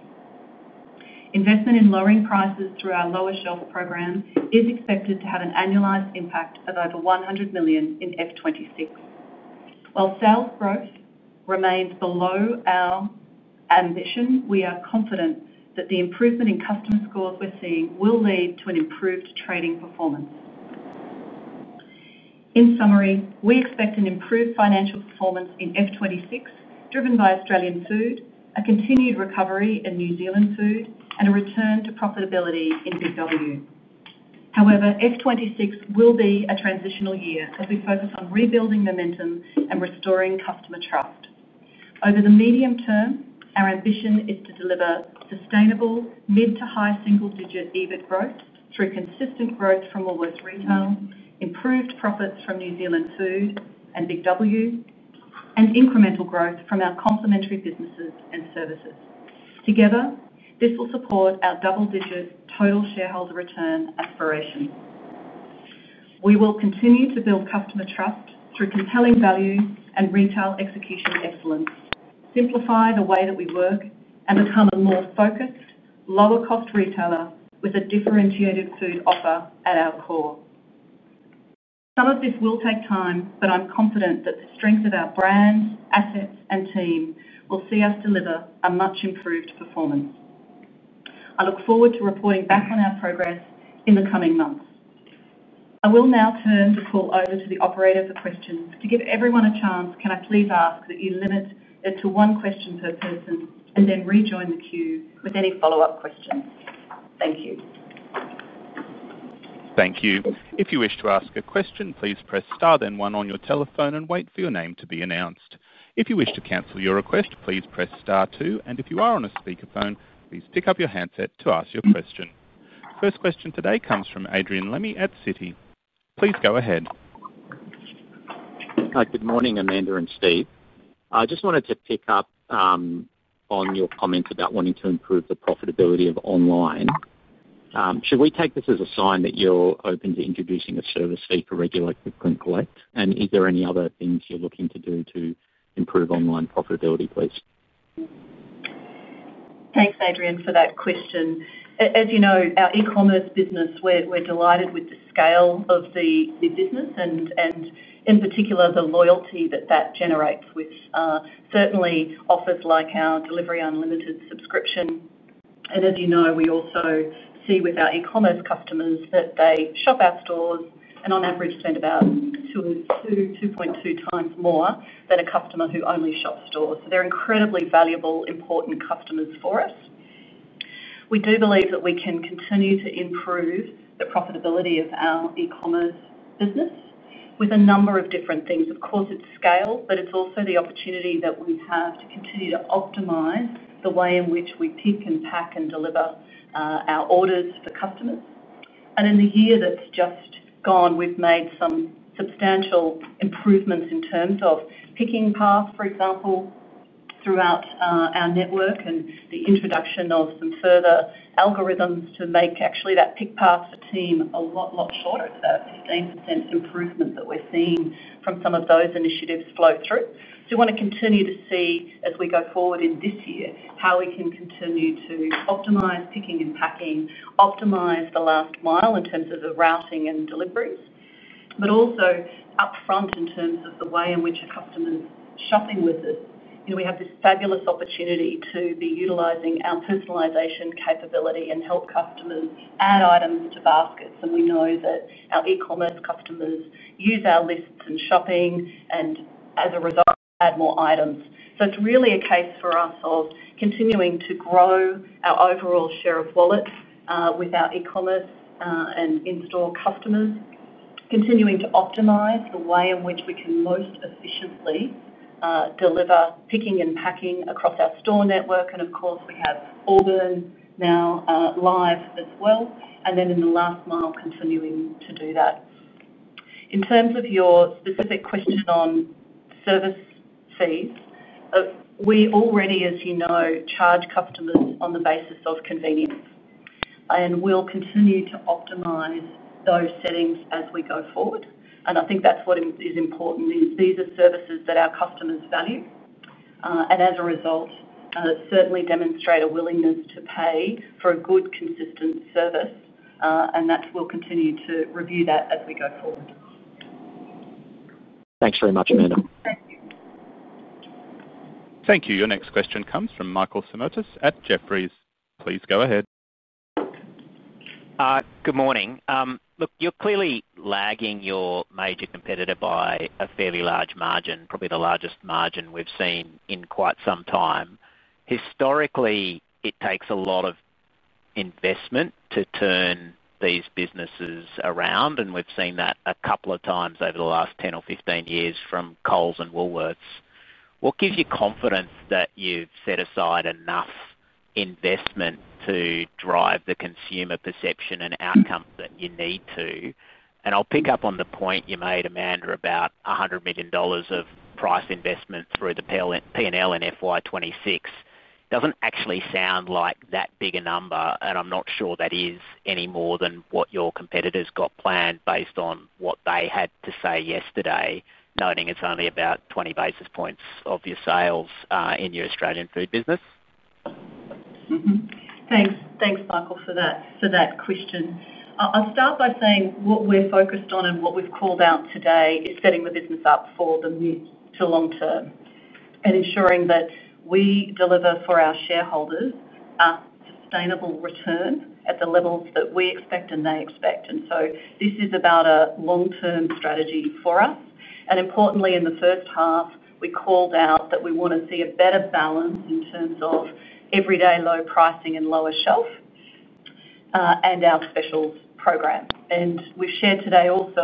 Investment in lowering prices through our lower shelf program is expected to have an annualized impact of over 100 million in FY 2026. While sales growth remains below our ambition, we are confident that the improvement in customer scores we're seeing will lead to an improved trading performance. In summary, we expect an improved financial performance in FY 2026, driven by Australian Food, a continued recovery in New Zealand Food, and a return to profitability in BIG W. However, FY 2026 will be a transitional year as we focus on rebuilding momentum and restoring customer trust. Over the medium term, our ambition is to deliver sustainable mid to high single-digit EBIT growth through consistent growth from Woolworths Retail, improved profits from Woolworths New Zealand and BIG W, and incremental growth from our complementary businesses and services. Together, this will support our double-digit total shareholder return aspirations. We will continue to build customer trust through compelling value and retail execution excellence, simplify the way that we work, and become a more focused, lower-cost retailer with a differentiated food offer at our core. Some of this will take time, but I'm confident that the strength of our brand, assets, and team will see us deliver a much improved performance. I look forward to reporting back on our progress in the coming months. I will now turn the call over to the operator for questions. To give everyone a chance, can I please ask that you limit it to one question per person and then rejoin the queue with any follow-up questions? Thank you. Thank you. If you wish to ask a question, please press star then one on your telephone and wait for your name to be announced. If you wish to cancel your request, please press star two. If you are on a speaker phone, please pick up your handset to ask your question. First question today comes from Adrian Lemme at Citi. Please go ahead. Hi, good morning, Amanda and Steve. I just wanted to pick up on your comments about wanting to improve the profitability of online. Should we take this as a sign that you're open to introducing a service fee for regular click and collect, and is there any other things you're looking to do to improve online profitability, please? Thanks, Adrian, for that question. As you know, our e-commerce business, we're delighted with the scale of the business and in particular the loyalty that that generates with certainly offers like our delivery unlimited subscription. As you know, we also see with our e-commerce customers that they shop our stores and on average spend about 2.2 times more than a customer who only shops stores. They're incredibly valuable, important customers for us. We do believe that we can continue to improve the profitability of our e-commerce business with a number of different things. Of course, it's scale, but it's also the opportunity that we have to continue to optimize the way in which we pick and pack and deliver our orders for customers. In the year that's just gone, we've made some substantial improvements in terms of picking paths, for example, throughout our network and the introduction of some further algorithms to make actually that pick path for team a lot, lot shorter. That's the improvement that we're seeing from some of those initiatives flow through. We want to continue to see as we go forward in this year how we can continue to optimize picking and packing, optimize the last mile in terms of the routing and deliveries, but also upfront in terms of the way in which our customers shopping with us. We have this fabulous opportunity to be utilizing our personalization capability and help customers add items to baskets. We know that our e-commerce customers use our lists and shopping, and as a result, add more items. It's really a case for us of continuing to grow our overall share of wallet with our e-commerce and in-store customers, continuing to optimize the way in which we can most efficiently deliver picking and packing across our store network. Of course, we have Auburn now live as well, and then in the last mile, continuing to do that. In terms of your specific question on service fees, we already, as you know, charge customers on the basis of convenience, and we'll continue to optimize those settings as we go forward. I think that's what is important, is these are services that our customers value, and as a result, certainly demonstrate a willingness to pay for a good, consistent service. We'll continue to review that as we go forward. Thanks very much, Amanda. Thank you. Your next question comes from Michael Simotas at Jefferies. Please go ahead. Good morning. You're clearly lagging your major competitor by a fairly large margin, probably the largest margin we've seen in quite some time. Historically, it takes a lot of investment to turn these businesses around, and we've seen that a couple of times over the last 10 or 15 years from Coles and Woolworths. What gives you confidence that you've set aside enough investment to drive the consumer perception and outcome that you need to? I'll pick up on the point you made, Amanda, about 100 million dollars of price investment through the P&L in FY2026. It doesn't actually sound like that big a number, and I'm not sure that is any more than what your competitor's got planned based on what they had to say yesterday, noting it's only about 20 basis points of your sales in your Australian Food business. Thanks, thanks Michael for that question. I'll start by saying what we're focused on and what we've called out today is setting the business up for the mid to long term and ensuring that we deliver for our shareholders a sustainable return at the levels that we expect and they expect. This is about a long-term strategy for us. Importantly, in the first half, we called out that we want to see a better balance in terms of everyday low pricing and lower shelf and our special program. We shared today also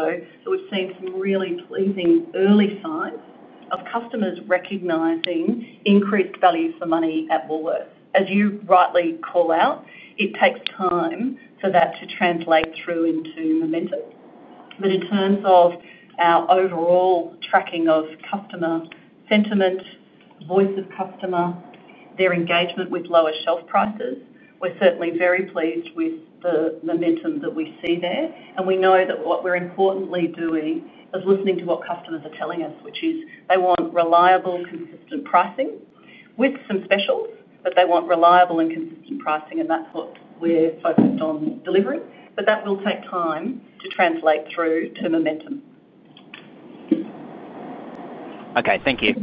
that we've seen some really pleasing early signs of customers recognizing increased value for money at Woolworths. As you rightly call out, it takes time for that to translate through into momentum. In terms of our overall tracking of customer sentiment, voice of customer, their engagement with lower shelf prices, we're certainly very pleased with the momentum that we see there. We know that what we're importantly doing is listening to what customers are telling us, which is they want reliable and consistent pricing with some specials, but they want reliable and consistent pricing. That's what we're focused on delivering. That will take time to translate through to momentum. Okay, thank you.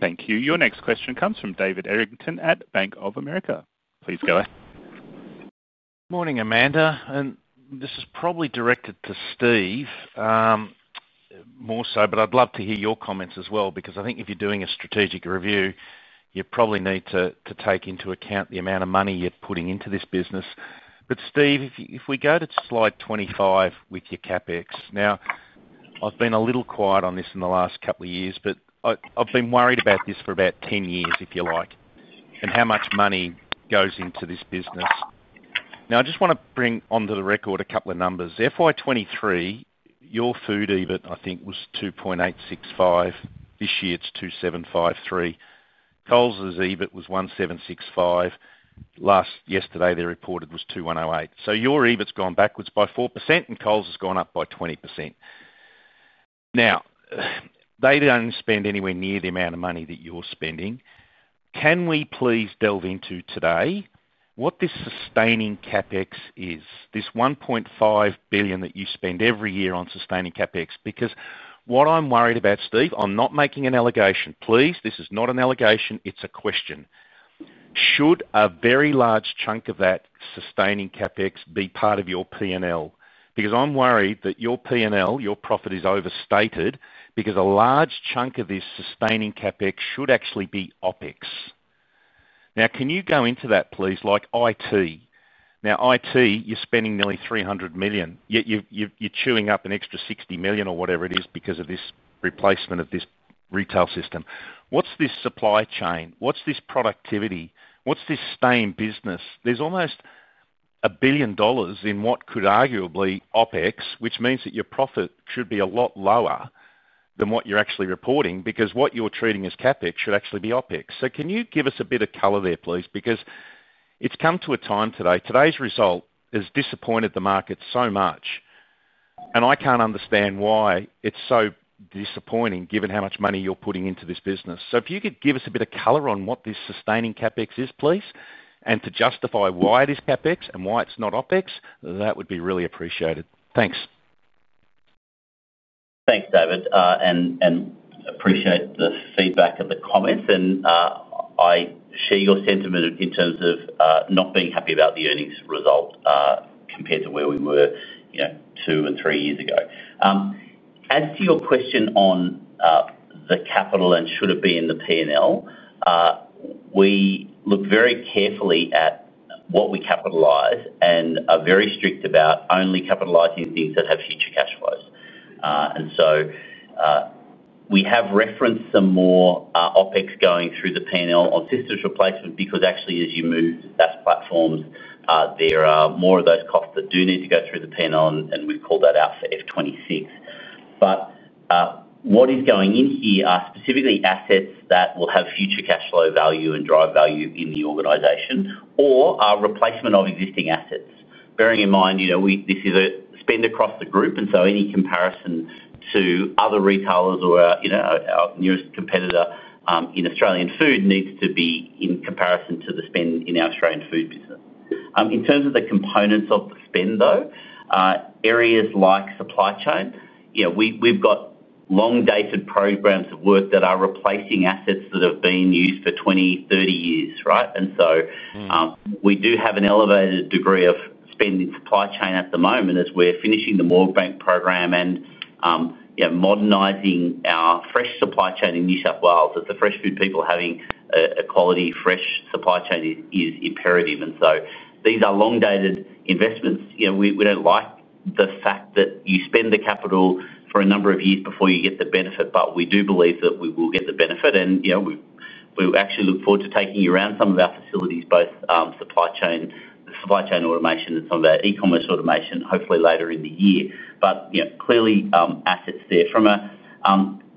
Thank you. Your next question comes from David Errington at Bank of America. Please go ahead. Morning, Amanda. This is probably directed to Steve more so, but I'd love to hear your comments as well, because I think if you're doing a strategic review, you probably need to take into account the amount of money you're putting into this business. Steve, if we go to slide 25 with your CapEx. I've been a little quiet on this in the last couple of years, but I've been worried about this for about 10 years, if you like, and how much money goes into this business. I just want to bring onto the record a couple of numbers. FY 2023, your food EBIT, I think, was 2.865 billion. This year, it's 2.753 billion. Coles' EBIT was 1.765 billion. Yesterday, they reported 2.108 billion. Your EBIT's gone backwards by 4%, and Coles has gone up by 20%. They don't spend anywhere near the amount of money that you're spending. Can we please delve into today what this sustaining CapEx is, this 1.5 billion that you spend every year on sustaining CapEx? What I'm worried about, Steve, I'm not making an allegation, please. This is not an allegation. It's a question. Should a very large chunk of that sustaining CapEx be part of your P&L? I'm worried that your P&L, your profit, is overstated because a large chunk of this sustaining CapEx should actually be OpEx. Can you go into that, please? Like IT. IT, you're spending nearly 300 million. Yet you're chewing up an extra 60 million or whatever it is because of this replacement of this retail system. What's this supply chain? What's this productivity? What's this stay in business? There's almost 1 billion dollars in what could arguably be OpEx, which means that your profit should be a lot lower than what you're actually reporting because what you're treating as CapEx should actually be OpEx. Can you give us a bit of color there, please? It's come to a time today. Today's result has disappointed the market so much, and I can't understand why it's so disappointing given how much money you're putting into this business. If you could give us a bit of color on what this sustaining CapEx is, please, and justify why it is CapEx and why it's not OpEx, that would be really appreciated. Thanks. Thanks, David. I appreciate the feedback of the comments, and I share your sentiment in terms of not being happy about the earnings result compared to where we were, you know, two and three years ago. As to your question on the capital and should it be in the P&L, we look very carefully at what we capitalize and are very strict about only capitalizing things that have future cash flows. We have referenced some more OpEx going through the P&L on systems replacement because actually, as you move to SaaS platforms, there are more of those costs that do need to go through the P&L, and we've called that out for FY 2026. What is going in here are specifically assets that will have future cash flow value and drive value in the organization or are replacement of existing assets. Bearing in mind, you know, this is a spend across the group, and any comparison to other retailers or our nearest competitor in Australian Food needs to be in comparison to the spend in our Australian Food business. In terms of the components of the spend, though, areas like supply chain, you know, we've got long-dated programs of work that are replacing assets that have been used for 20, 30 years, right? We do have an elevated degree of spend in supply chain at the moment as we're finishing the Moorebank program and, you know, modernizing our fresh supply chain in New South Wales. The fresh food people having a quality fresh supply chain is imperative. These are long-dated investments. You know, we don't like the fact that you spend the capital for a number of years before you get the benefit, but we do believe that we will get the benefit. We actually look forward to taking you around some of our facilities, both supply chain automation and some of our e-commerce automation, hopefully later in the year. You know, clearly assets there. From a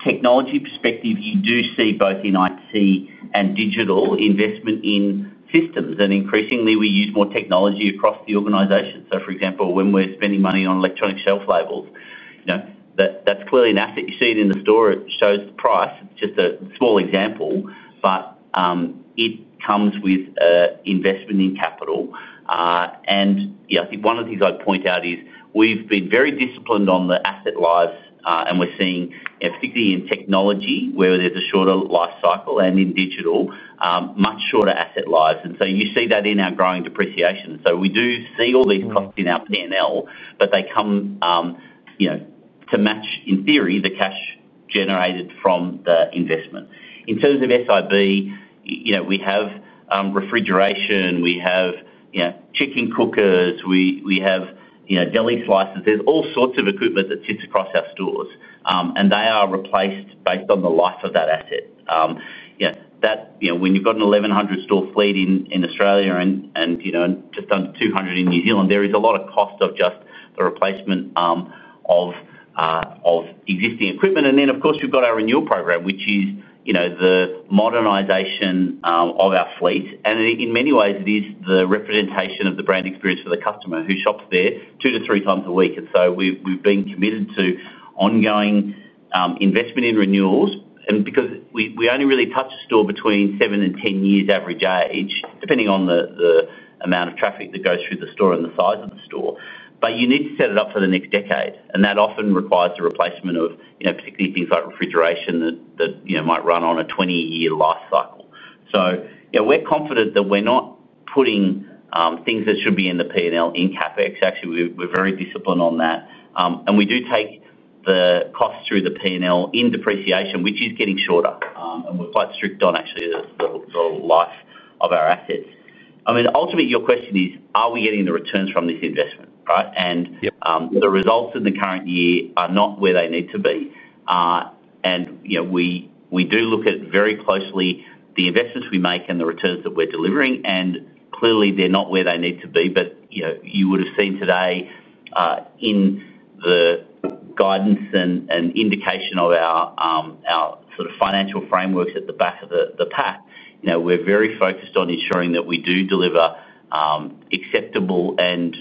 technology perspective, you do see both in IT and digital investment in systems, and increasingly, we use more technology across the organization. For example, when we're spending money on electronic shelf labels, you know, that's clearly an asset. You see it in the store. It shows the price. It's just a small example, but it comes with an investment in capital. I think one of the things I'd point out is we've been very disciplined on the asset lives, and we're seeing particularly in technology where there's a shorter life cycle and in digital, much shorter asset lives. You see that in our growing depreciation. We do see all these costs in our P&L, but they come to match, in theory, the cash generated from the investment. In terms of SIB, we have refrigeration, we have chicken cookers, we have deli slicers. There is all sorts of equipment that sits across our stores, and they are replaced based on the life of that asset. When you've got an 1,100-store fleet in Australia and just under 200 in New Zealand, there is a lot of cost of just the replacement of existing equipment. Of course, you've got our renewal program, which is the modernization of our fleet. In many ways, it is the representation of the brand experience for the customer who shops there two to three times a week. We have been committed to ongoing investment in renewals. We only really touch the store between seven and ten years average age, depending on the amount of traffic that goes through the store and the size of the store, but you need to set it up for the next decade. That often requires a replacement of particularly things like refrigeration that might run on a 20-year life cycle. We are confident that we're not putting things that should be in the P&L in CapEx. Actually, we're very disciplined on that. We do take the costs through the P&L in depreciation, which is getting shorter. We're quite strict on the life of our assets. Ultimately, your question is, are we getting the returns from this investment, right? The results in the current year are not where they need to be. We do look at it very closely, the investments we make and the returns that we're delivering. Clearly, they're not where they need to be. You would have seen today in the guidance and indication of our sort of financial frameworks at the back of the pack, we're very focused on ensuring that we do deliver acceptable and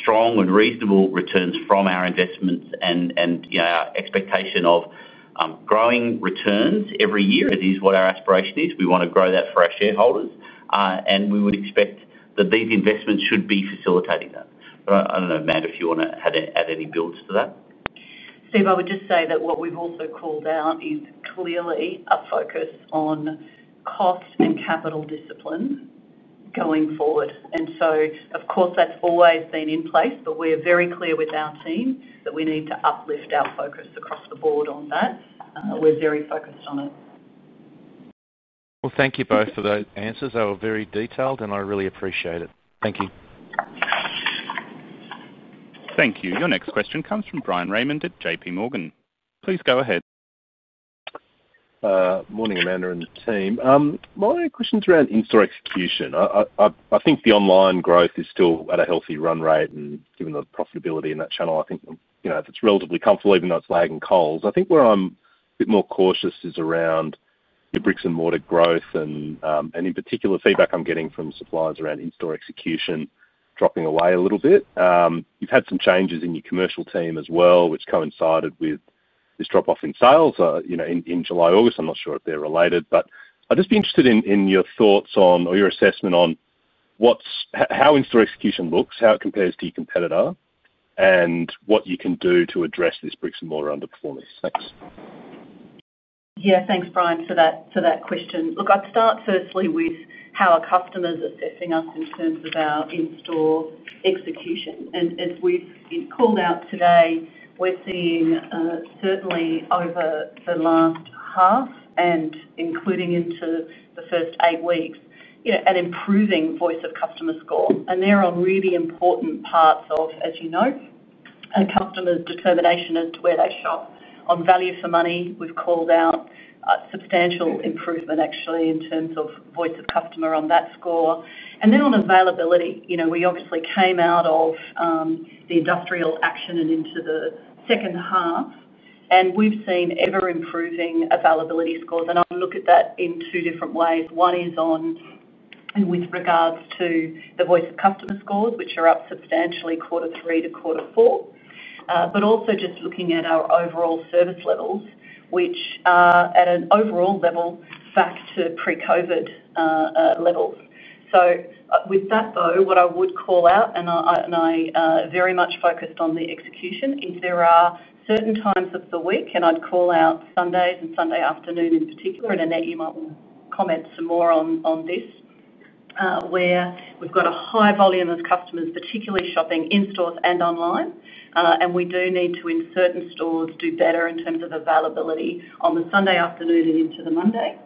strong and reasonable returns from our investments. Our expectation of growing returns every year is what our aspiration is. We want to grow that for our shareholders, and we would expect that these investments should be facilitating that. I don't know, Amanda, if you want to add any builds to that. Steve, I would just say that what we've also called out is clearly a focus on cost and capital disciplines going forward. Of course, that's always been in place, but we're very clear with our team that we need to uplift our focus across the board on that. We're very focused on it. Thank you both for those answers. They were very detailed, and I really appreciate it. Thank you. Thank you. Your next question comes from Bryan Raymond at JPMorgan. Please go ahead. Morning, Amanda, and the team. My question is around in-store execution. I think the online growth is still at a healthy run rate, and given the profitability in that channel, I think it's relatively comfortable, even though it's lagging Coles. I think where I'm a bit more cautious is around your bricks and mortar growth, and in particular, the feedback I'm getting from suppliers around in-store execution dropping away a little bit. You've had some changes in your commercial team as well, which coincided with this drop-off in sales in July/August. I'm not sure if they're related, but I'd just be interested in your thoughts on or your assessment on how in-store execution looks, how it compares to your competitor, and what you can do to address this bricks and mortar underperformance. Yeah, thanks, Bryan, for that question. Look, I'd start firstly with how our customers are affecting us in terms of our in-store execution. As we've called out today, we're seeing certainly over the last half and including into the first eight weeks, you know, an improving voice of customer score. They're on really important parts of, as you know, a customer's determination as to where they shop. On value for money, we've called out a substantial improvement, actually, in terms of voice of customer on that score. On availability, you know, we obviously came out of the industrial action and into the second half, and we've seen ever-improving availability scores. I'll look at that in two different ways. One is with regards to the voice of customer scores, which are up substantially quarter three to quarter four, but also just looking at our overall service levels, which are at an overall level back to pre-COVID levels. With that, though, what I would call out, and I very much focused on the execution, is there are certain times of the week, and I'd call out Sundays and Sunday afternoon in particular, and Annette, you might want to comment some more on this, where we've got a high volume of customers, particularly shopping in stores and online. We do need to, in certain stores, do better in terms of availability on the Sunday afternoon and into the Monday.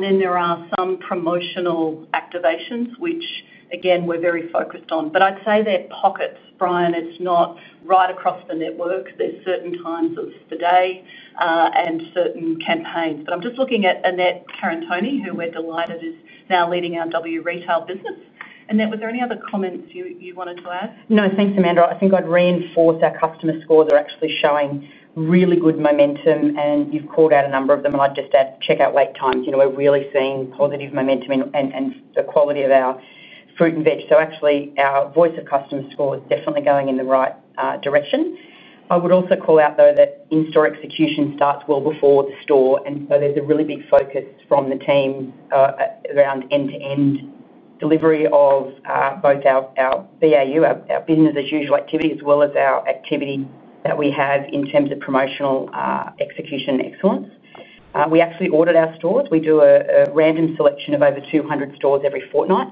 There are some promotional activations, which again, we're very focused on. I'd say they're pockets, Bryan. It's not right across the network. There are certain times of the day and certain campaigns. I'm just looking at Annette Karantoni, who we're delighted is now leading our W Retail business. Annette, were there any other comments you wanted to add? No, thanks, Amanda. I think I'd reinforce our customer scores. They're actually showing really good momentum, and you've called out a number of them. I'd just add checkout wait times. We're really seeing positive momentum and the quality of our fruit and veg. Our voice of customer score is definitely going in the right direction. I would also call out that in-store execution starts well before the store. There's a really big focus from the team around end-to-end delivery of both our BAU, our business as usual activity, as well as our activity that we have in terms of promotional execution excellence. We actually order our stores. We do a random selection of over 200 stores every fortnight,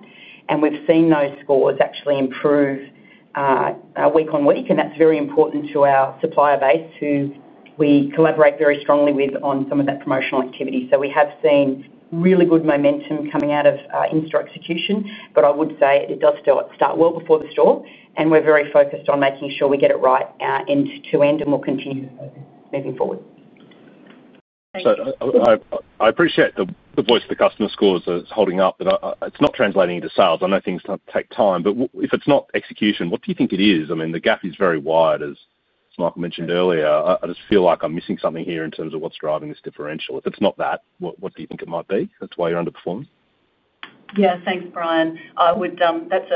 and we've seen those scores actually improve week on week. That's very important to our supplier base, who we collaborate very strongly with on some of that promotional activity. We have seen really good momentum coming out of in-store execution. I would say it does start well before the store, and we're very focused on making sure we get it right end to end, and we'll continue moving forward. I appreciate the voice of the customer scores as holding up, but it's not translating into sales. I know things take time, but if it's not execution, what do you think it is? I mean, the gap is very wide, as Michael mentioned earlier. I just feel like I'm missing something here in terms of what's driving this differential. If it's not that, what do you think it might be? That's why you're underperforming? Yeah, thanks, Bryan. That's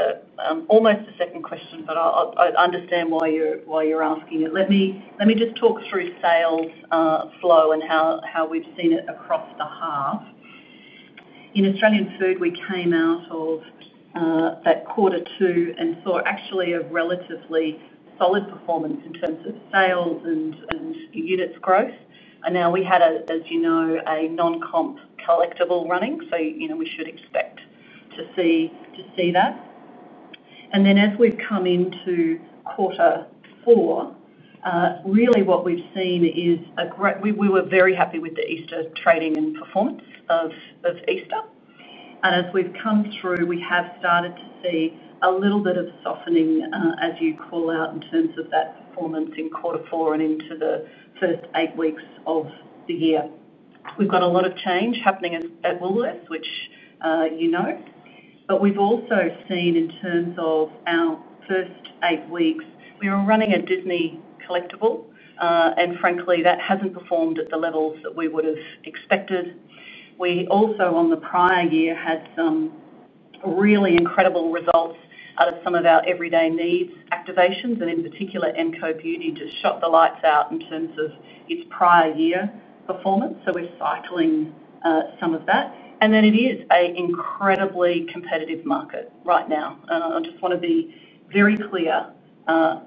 almost a second question, but I understand why you're asking it. Let me just talk through sales flow and how we've seen it across the half. In Australian Food, we came out of that quarter two and saw actually a relatively solid performance in terms of sales and units growth. We had, as you know, a non-comp collectible running, so we should expect to see that. As we've come into quarter four, we were very happy with the Easter trading and performance of Easter. As we've come through, we have started to see a little bit of softening, as you call out, in terms of that performance in quarter four and into the first eight weeks of the year. We've got a lot of change happening at Woolworths, which you know, but we've also seen in terms of our first eight weeks, we were running a Disney collectible, and frankly, that hasn't performed at the levels that we would have expected. On the prior year, we had some really incredible results out of some of our everyday needs activations, and in particular, MCO Beauty just shot the lights out in terms of its prior year performance. We're cycling some of that. It is an incredibly competitive market right now. I just want to be very clear,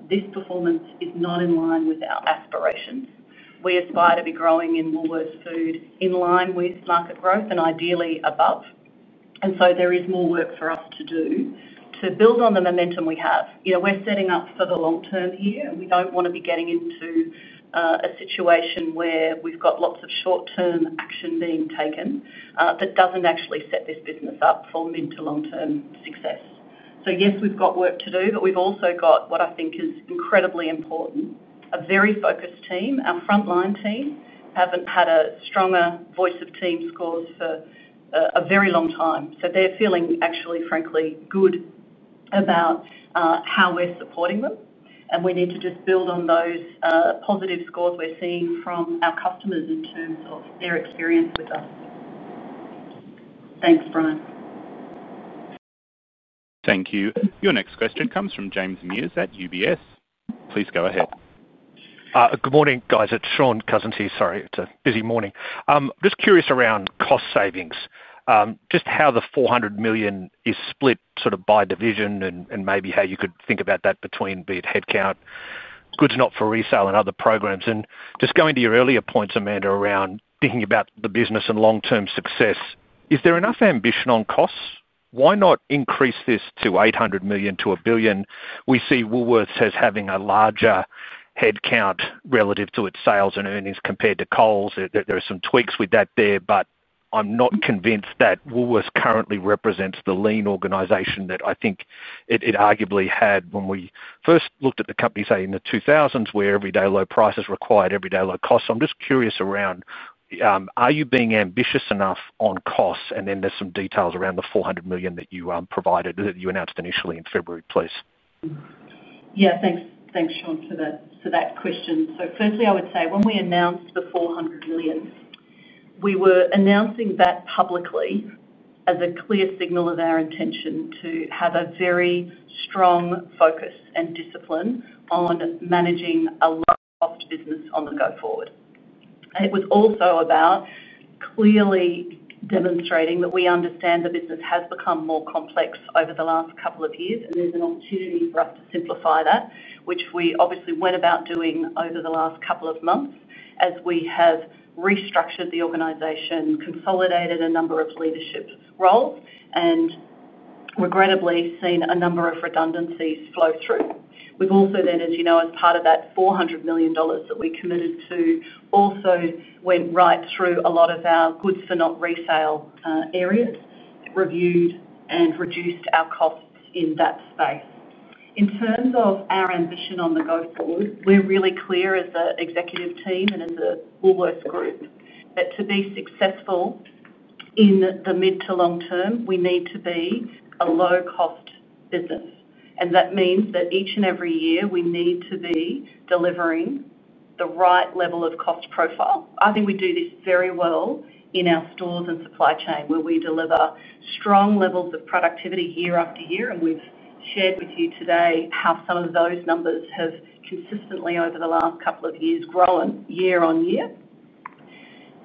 this performance is not in line with our aspirations. We aspire to be growing in Woolworths Food in line with market growth and ideally above. There is more work for us to do to build on the momentum we have. We're setting up for the long term here, and we don't want to be getting into a situation where we've got lots of short-term action being taken that doesn't actually set this business up for mid to long-term success. Yes, we've got work to do, but we've also got what I think is incredibly important, a very focused team. Our frontline team hasn't had a stronger voice of team scores for a very long time. They're feeling actually, frankly, good about how we're supporting them. We need to just build on those positive scores we're seeing from our customers in terms of their experience with us. Thanks, Bryan. Thank you. Your next question comes from James Mears at UBS. Please go ahead. Good morning, guys. It's Shaun Cousins here. Sorry, it's a busy morning. Just curious around cost savings, just how the 400 million is split sort of by division and maybe how you could think about that between, be it headcount, goods not for resale, and other programs. Just going to your earlier points, Amanda, around thinking about the business and long-term success, is there enough ambition on costs? Why not increase this to 800 million to 1 billion? We see Woolworths as having a larger headcount relative to its sales and earnings compared to Coles. There are some tweaks with that there, but I'm not convinced that Woolworths currently represents the lean organization that I think it arguably had when we first looked at the company, say, in the 2000s, where everyday low prices required everyday low costs. I'm just curious around, are you being ambitious enough on costs? There's some details around the 400 million that you provided, that you announced initially in February, please. Yeah, thanks, thanks Sean, for that question. Firstly, I would say when we announced the 400 million, we were announcing that publicly as a clear signal of our intention to have a very strong focus and discipline on managing a lot of the business on the go forward. It was also about clearly demonstrating that we understand the business has become more complex over the last couple of years, and there's an opportunity for us to simplify that, which we obviously went about doing over the last couple of months as we have restructured the organization, consolidated a number of leadership roles, and regrettably seen a number of redundancies flow through. We've also then, as you know, as part of that 400 million dollars that we committed to, also went right through a lot of our goods for not resale areas, reviewed and reduced our costs in that space. In terms of our ambition on the go forward, we're really clear as an executive team and in the Woolworths Group that to be successful in the mid to long term, we need to be a low-cost business. That means that each and every year we need to be delivering the right level of cost profile. I think we do this very well in our stores and supply chain where we deliver strong levels of productivity year after year. We've shared with you today how some of those numbers have consistently over the last couple of years grown year on year.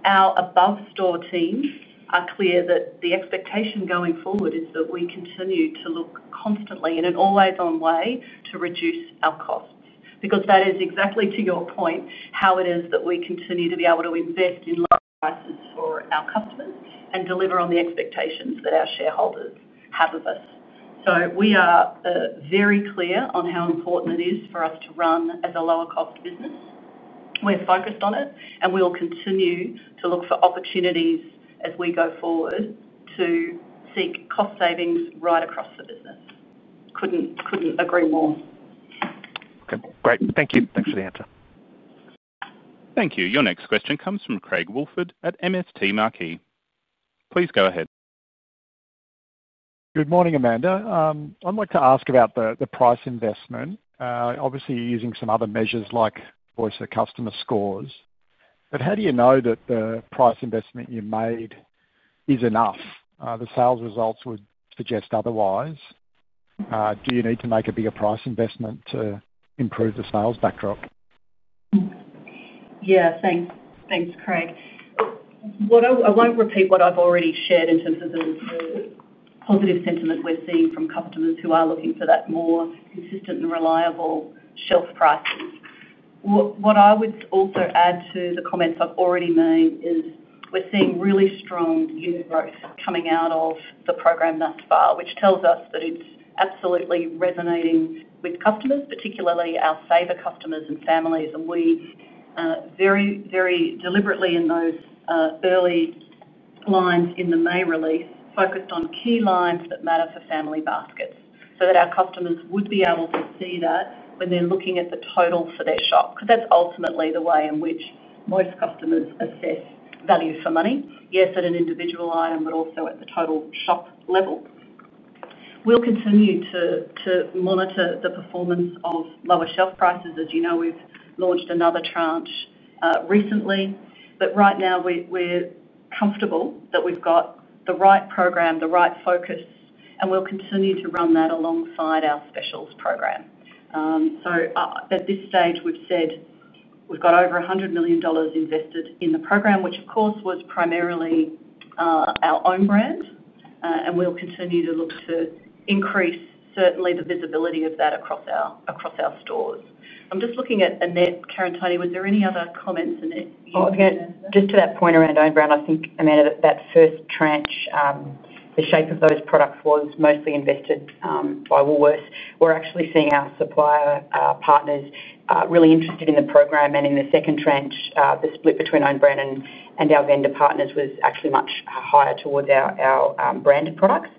Our above-store teams are clear that the expectation going forward is that we continue to look constantly in an always-on way to reduce our costs because that is exactly to your point how it is that we continue to be able to invest in low prices for our customers and deliver on the expectations that our shareholders have of us. We are very clear on how important it is for us to run as a lower-cost business. We're focused on it, and we'll continue to look for opportunities as we go forward to seek cost savings right across the business. Couldn't agree more. Okay, great. Thank you. Thanks for the answer. Thank you. Your next question comes from Craig Woolford at MST Marquee. Please go ahead. Good morning, Amanda. I'd like to ask about the price investment. Obviously, you're using some other measures like voice of customer scores, but how do you know that the price investment you made is enough? The sales results would suggest otherwise. Do you need to make a bigger price investment to improve the sales background? Thanks, Craig. I want to repeat what I've already shared in terms of the positive sentiment we're seeing from customers who are looking for that more consistent and reliable shelf prices. What I would also add to the comments I've already made is we're seeing really strong unit growth coming out of the program thus far, which tells us that it's absolutely resonating with customers, particularly our saver customers and families. We very, very deliberately in those early lines in the May release focused on key lines that matter for family baskets so that our customers would be able to see that when they're looking at the total for their shop. That's ultimately the way in which most customers assess value for money. Yes, at an individual item, but also at the total shop level. We'll continue to monitor the performance of lower shelf prices. As you know, we've launched another tranche recently. Right now, we're comfortable that we've got the right program, the right focus, and we'll continue to run that alongside our specials program. At this stage, we've said we've got over 100 million dollars invested in the program, which, of course, was primarily our own brand. We'll continue to look to increase, certainly, the visibility of that across our stores. I'm just looking at Annette Karantoni. Were there any other comments? Oh, again, just to that point around own brand, I think, Amanda, that that first tranche, the shape of those products was mostly invested by Woolworths. We're actually seeing our supplier partners really interested in the program. In the second tranche, the split between own brand and our vendor partners was actually much higher towards our branded products.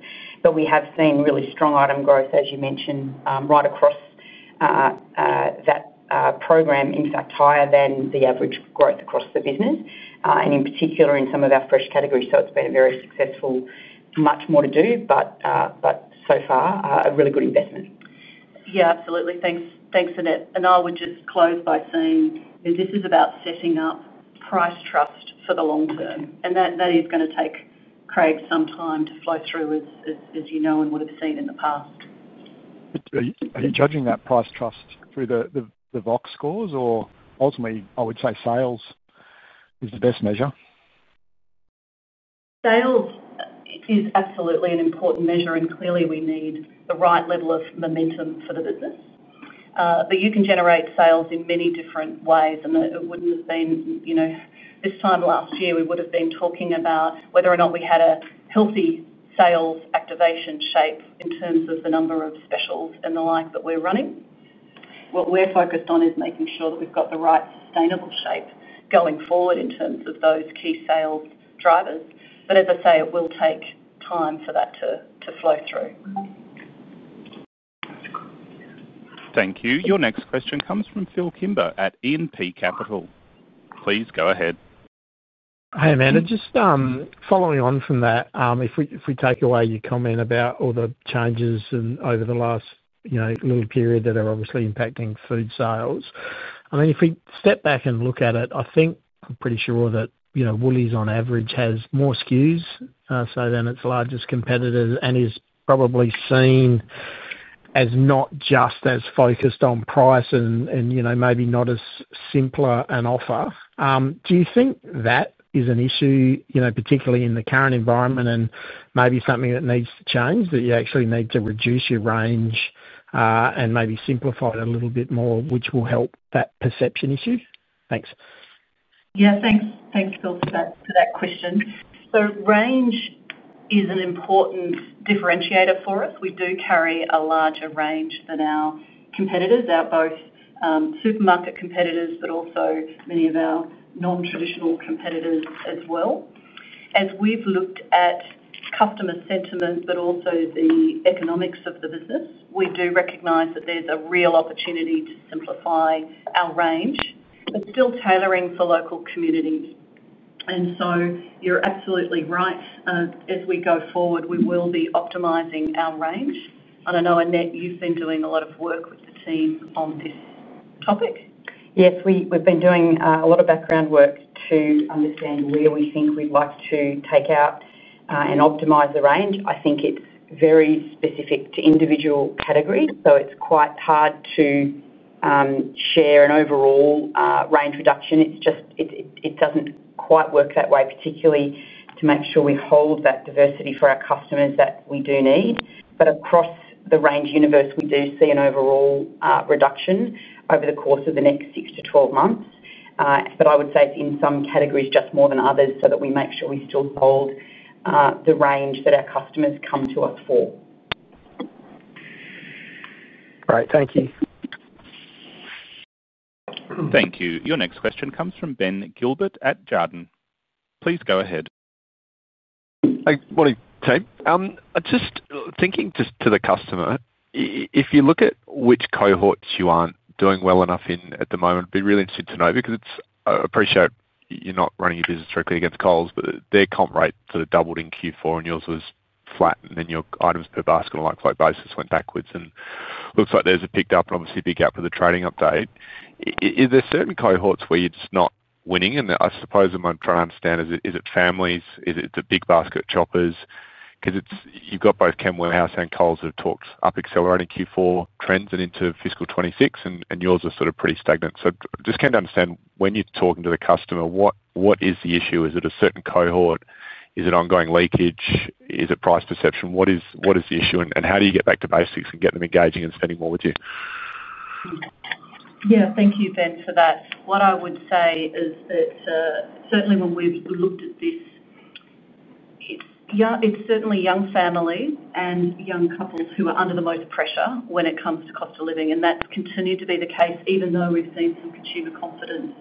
We have seen really strong item growth, as you mentioned, right across that program. In fact, higher than the average growth across the business, and in particular in some of our fresh categories. It's been a very successful, much more to do, but so far, a really good investment. Yeah, absolutely. Thanks, Annette. I would just close by saying this is about setting up price trust for the long term. That is going to take Craig some time to flow through, as you know and would have seen in the past. Are you judging that price trust through the VOX scores or ultimately, I would say sales is the best measure? Sales is absolutely an important measure. Clearly, we need the right level of momentum for the business, but you can generate sales in many different ways. It wouldn't have been, you know, this time last year, we would have been talking about whether or not we had a healthy sales activation shape in terms of the number of specials and the like that we're running. What we're focused on is making sure that we've got the right sustainable shape going forward in terms of those key sales drivers. As I say, it will take time for that to flow through. Thank you. Your next question comes from Phillip Kimber at E&P Capital. Please go ahead. Hi, Amanda. Just following on from that, if we take away your comment about all the changes over the last, you know, little period that are obviously impacting food sales. If we step back and look at it, I think I'm pretty sure that Woolworths, on average, has more SKUs than its largest competitors and is probably seen as not just as focused on price and, you know, maybe not as simpler an offer. Do you think that is an issue, particularly in the current environment and maybe something that needs to change, that you actually need to reduce your range and maybe simplify it a little bit more, which will help that perception issue? Thanks. Yeah, thanks. Thanks, Phil, for that question. Range is an important differentiator for us. We do carry a larger range than our competitors, our both supermarket competitors, but also many of our non-soluble competitors as well. As we've looked at customer sentiment, but also the economics of the business, we do recognize that there's a real opportunity to simplify our range, but still tailoring for local communities. You're absolutely right. As we go forward, we will be optimizing our range. I don't know, Annette, you've been doing a lot of work with the team on this topic? Yes, we've been doing a lot of background work to understand where we think we'd like to take out and optimize the range. I think it's very specific to individual categories. It's quite hard to share an overall range reduction. It just doesn't quite work that way, particularly to make sure we hold that diversity for our customers that we do need. Across the range universe, we do see an overall reduction over the course of the next 6-12 months. I would say it's in some categories just more than others so that we make sure we still hold the range that our customers come to us for. All right. Thank you. Thank you. Your next question comes from Ben Gilbert at Jarden. Please go ahead. Hey, what are you? I'm just thinking to the customer. If you look at which cohorts you aren't doing well enough in at the moment, I'd be really interested to know because I appreciate you're not running your business directly against Coles, but their comp rate sort of doubled in Q4 and yours was flat. Your items per basket on a like-for-like basis went backwards. It looks like there's a picked up and obviously a big gap for the trading update. Are there certain cohorts where it's not winning? I suppose I'm trying to understand, is it families? Is it the big basket shoppers? You've got both Chem Warehouse and Coles that have talked up accelerating Q4 trends and into fiscal 2026, and yours are sort of pretty stagnant. I just came to understand when you're talking to the customer, what is the issue? Is it a certain cohort? Is it ongoing leakage? Is it price perception? What is the issue? How do you get back to basics and get them engaging and spending more with you? Thank you, Ben, for that. What I would say is that certainly when we've looked at this, it's certainly young families and young couples who are under the most pressure when it comes to cost of living. That's continued to be the case even though we've seen some consumer confidence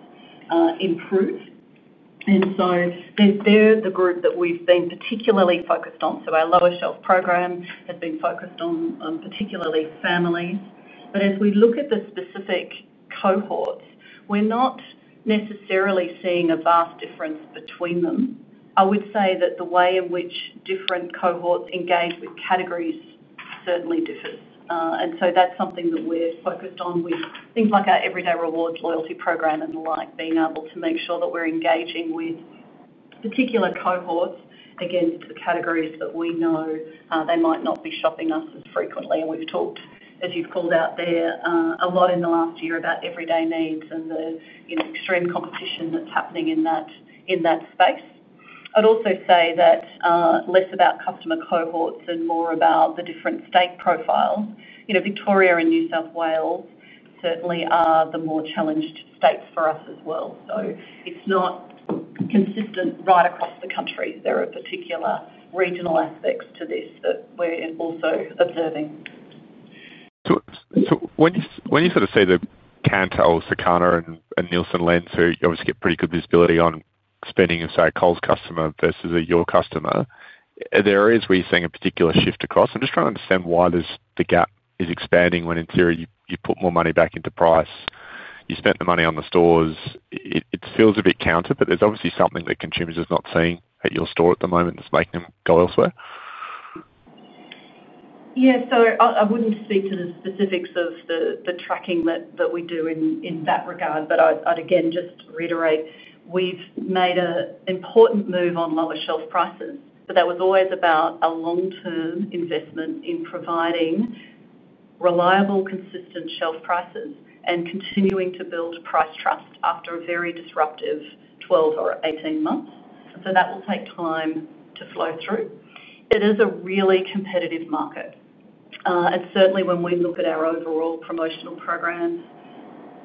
improve. They're the group that we've been particularly focused on. Our lower shelf program has been focused on particularly families. As we look at the specific cohorts, we're not necessarily seeing a vast difference between them. I would say that the way in which different cohorts engage with categories certainly differs. That's something that we're focused on with things like our Everyday Rewards loyalty program and the like, being able to make sure that we're engaging with particular cohorts. Again, it's the categories that we know they might not be shopping us as frequently. We've talked, as you've called out there, a lot in the last year about everyday needs and the extreme competition that's happening in that space. I'd also say that it's less about customer cohorts and more about the different state profiles. Victoria and New South Wales certainly are the more challenged states for us as well. It's not consistent right across the country. There are particular regional aspects to this that we're also observing. When you sort of say that Cantor, Sukarna, and Nielsen Lenser, you obviously get pretty good visibility on spending of, say, Coles customer versus your customer. Are there areas where you're seeing a particular shift across? I'm just trying to understand why the gap is expanding when in theory you've put more money back into price. You spent the money on the stores. It feels a bit countered, but there's obviously something that consumers are not seeing at your store at the moment that's making them go elsewhere. Yeah, I wouldn't speak to the specifics of the tracking that we do in that regard. I'd again just reiterate, we've made an important move on lower shelf prices. That was always about a long-term investment in providing reliable, consistent shelf prices and continuing to build price trust after a very disruptive 12 or 18 months. That will take time to flow through. It is a really competitive market. Certainly, when we look at our overall promotional programs,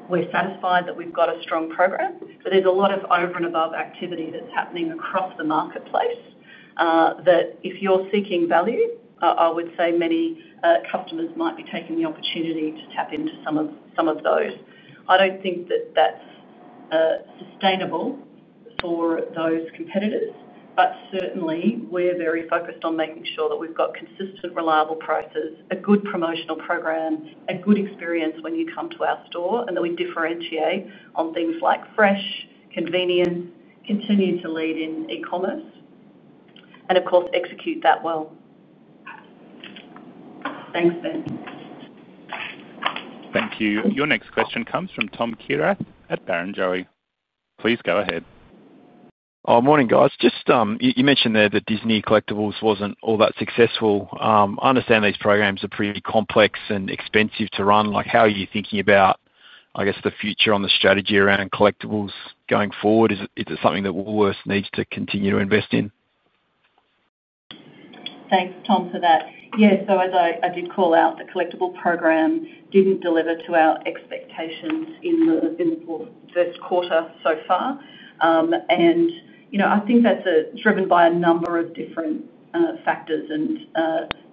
we're satisfied that we've got a strong program. There's a lot of over and above activity that's happening across the marketplace that if you're seeking value, I would say many customers might be taking the opportunity to tap into some of those. I don't think that that's sustainable for those competitors. Certainly, we're very focused on making sure that we've got consistent, reliable prices, a good promotional program, a good experience when you come to our store, and that we differentiate on things like fresh, convenience, continue to lead in e-commerce, and of course, execute that well. Thanks, Ben. Thank you. Your next question comes from Tom Kierath at Barrenjoey. Please go ahead. Morning, guys. You mentioned there that Disney collectibles wasn't all that successful. I understand these programs are pretty complex and expensive to run. How are you thinking about the future on the strategy around collectibles going forward? Is it something that Woolworths needs to continue to invest in? Thanks, Tom, for that. As I did call out, the collectible program didn't deliver to our expectations in the first quarter so far. I think that's driven by a number of different factors.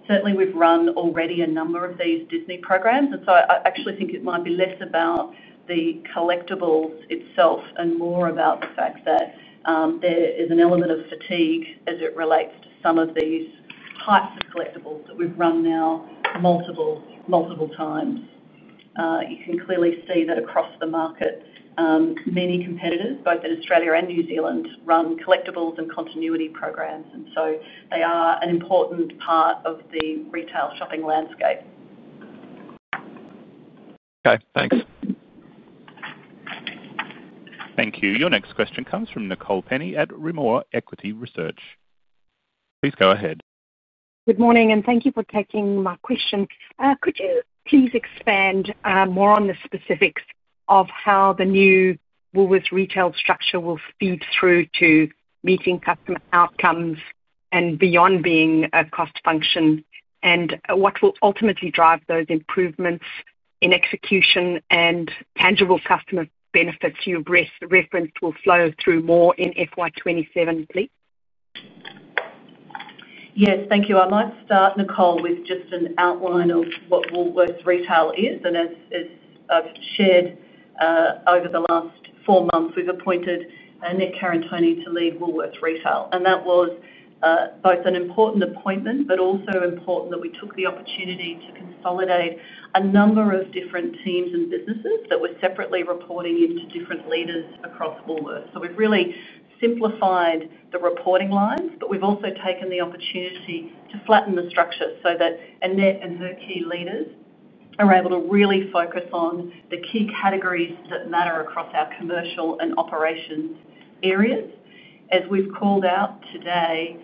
Certainly, we've run already a number of these Disney programs. I actually think it might be less about the collectible itself and more about the fact that there is an element of fatigue as it relates to some of these types of collectibles that we've run now multiple, multiple times. You can clearly see that across the markets, many competitors, both in Australia and New Zealand, run collectibles and continuity programs. They are an important part of the retail shopping landscape. Okay, thanks. Thank you. Your next question comes from Nicole Penny at Rimor Equity Research. Please go ahead. Good morning, and thank you for taking my question. Could you please expand more on the specifics of how the new Woolworths Retail structure will feed through to meeting customer outcomes and beyond being a cost function? What will ultimately drive those improvements in execution and tangible customer benefits you referenced will flow through more in FY 2027? Yes, thank you. I might start, Nicole, with just an outline of what Woolworths Retail is. As I've shared, over the last four months, we've appointed Annette Karantoni to lead Woolworths Retail. That was both an important appointment and also important that we took the opportunity to consolidate a number of different teams and businesses that were separately reporting in different leaders across Woolworths. We've really simplified the reporting lines, and we've also taken the opportunity to flatten the structure so that Annette and her key leaders are able to really focus on the key categories that matter across our commercial and operations areas. As we've called out today,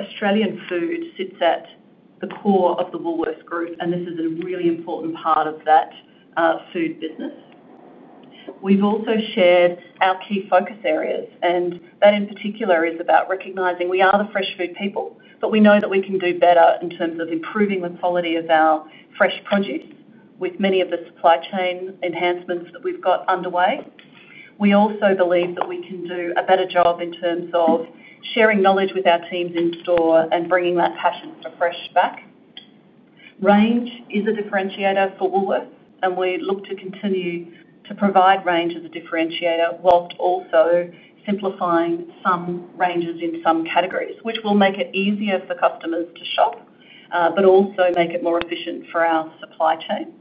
Australian Food sits at the core of the Woolworths Group, and this is a really important part of that food business. We've also shared our key focus areas. That, in particular, is about recognizing we are the fresh food people, but we know that we can do better in terms of improving the quality of our fresh produce with many of the supply chain enhancements that we've got underway. We also believe that we can do a better job in terms of sharing knowledge with our teams in store and bringing that passion for fresh back. Range is a differentiator for Woolworths, and we look to continue to provide range as a differentiator, while also simplifying some ranges in some categories, which will make it easier for customers to shop and also make it more efficient for our supply chain.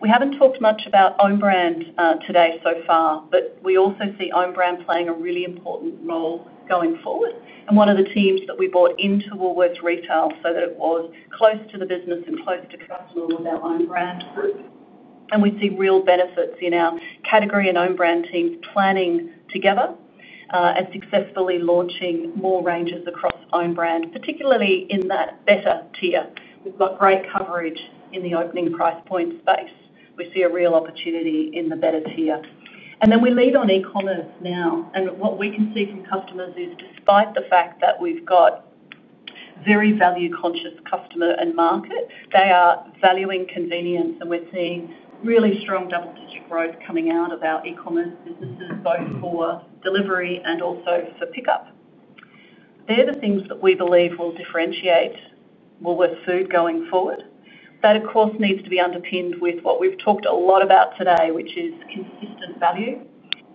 We haven't talked much about own brand today so far, but we also see own brand playing a really important role going forward. One of the teams that we brought into Woolworths Retail so that it was close to the business and close to customers was our own brand group. We see real benefits in our category and own brand teams planning together, as successfully launching more ranges across own brand, particularly in that better tier. We've got great coverage in the opening price point space. We see a real opportunity in the better tier. We lead on e-commerce now. What we can see from customers is, despite the fact that we've got very value-conscious customers and market, they are valuing convenience. We're seeing really strong double-digit growth coming out of our e-commerce businesses, both for delivery and also for pickup. They're the things that we believe will differentiate Woolworths food going forward. That, of course, needs to be underpinned with what we've talked a lot about today, which is consistent value,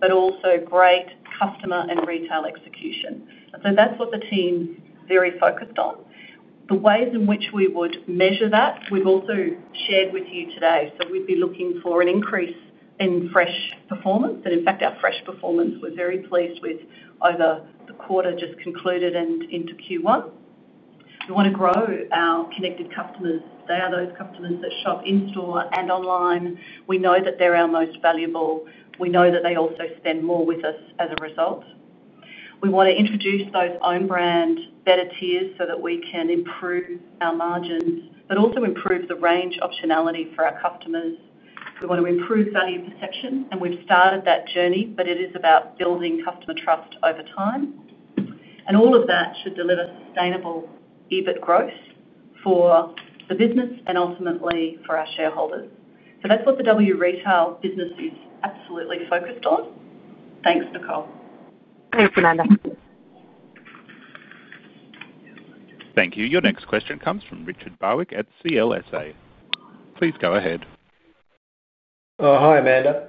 but also great customer and retail execution. That's what the team is very focused on. The ways in which we would measure that, we've also shared with you today. We'd be looking for an increase in fresh performance. In fact, our fresh performance, we're very pleased with over the quarter just concluded and into Q1. We want to grow our connected customers. They are those customers that shop in-store and online. We know that they're our most valuable. We know that they also spend more with us as a result. We want to introduce those own brand better tiers so that we can improve our margins, but also improve the range optionality for our customers. We want to improve value perception. We've started that journey, but it is about building customer trust over time. All of that should deliver sustainable EBIT growth for the business and ultimately for our shareholders. That's what the Woolworths Retail business is absolutely focused on. Thanks, Nicole. Thanks, Amanda. Thank you. Your next question comes from Richard Barwick at CLSA. Please go ahead. Oh, hi, Amanda.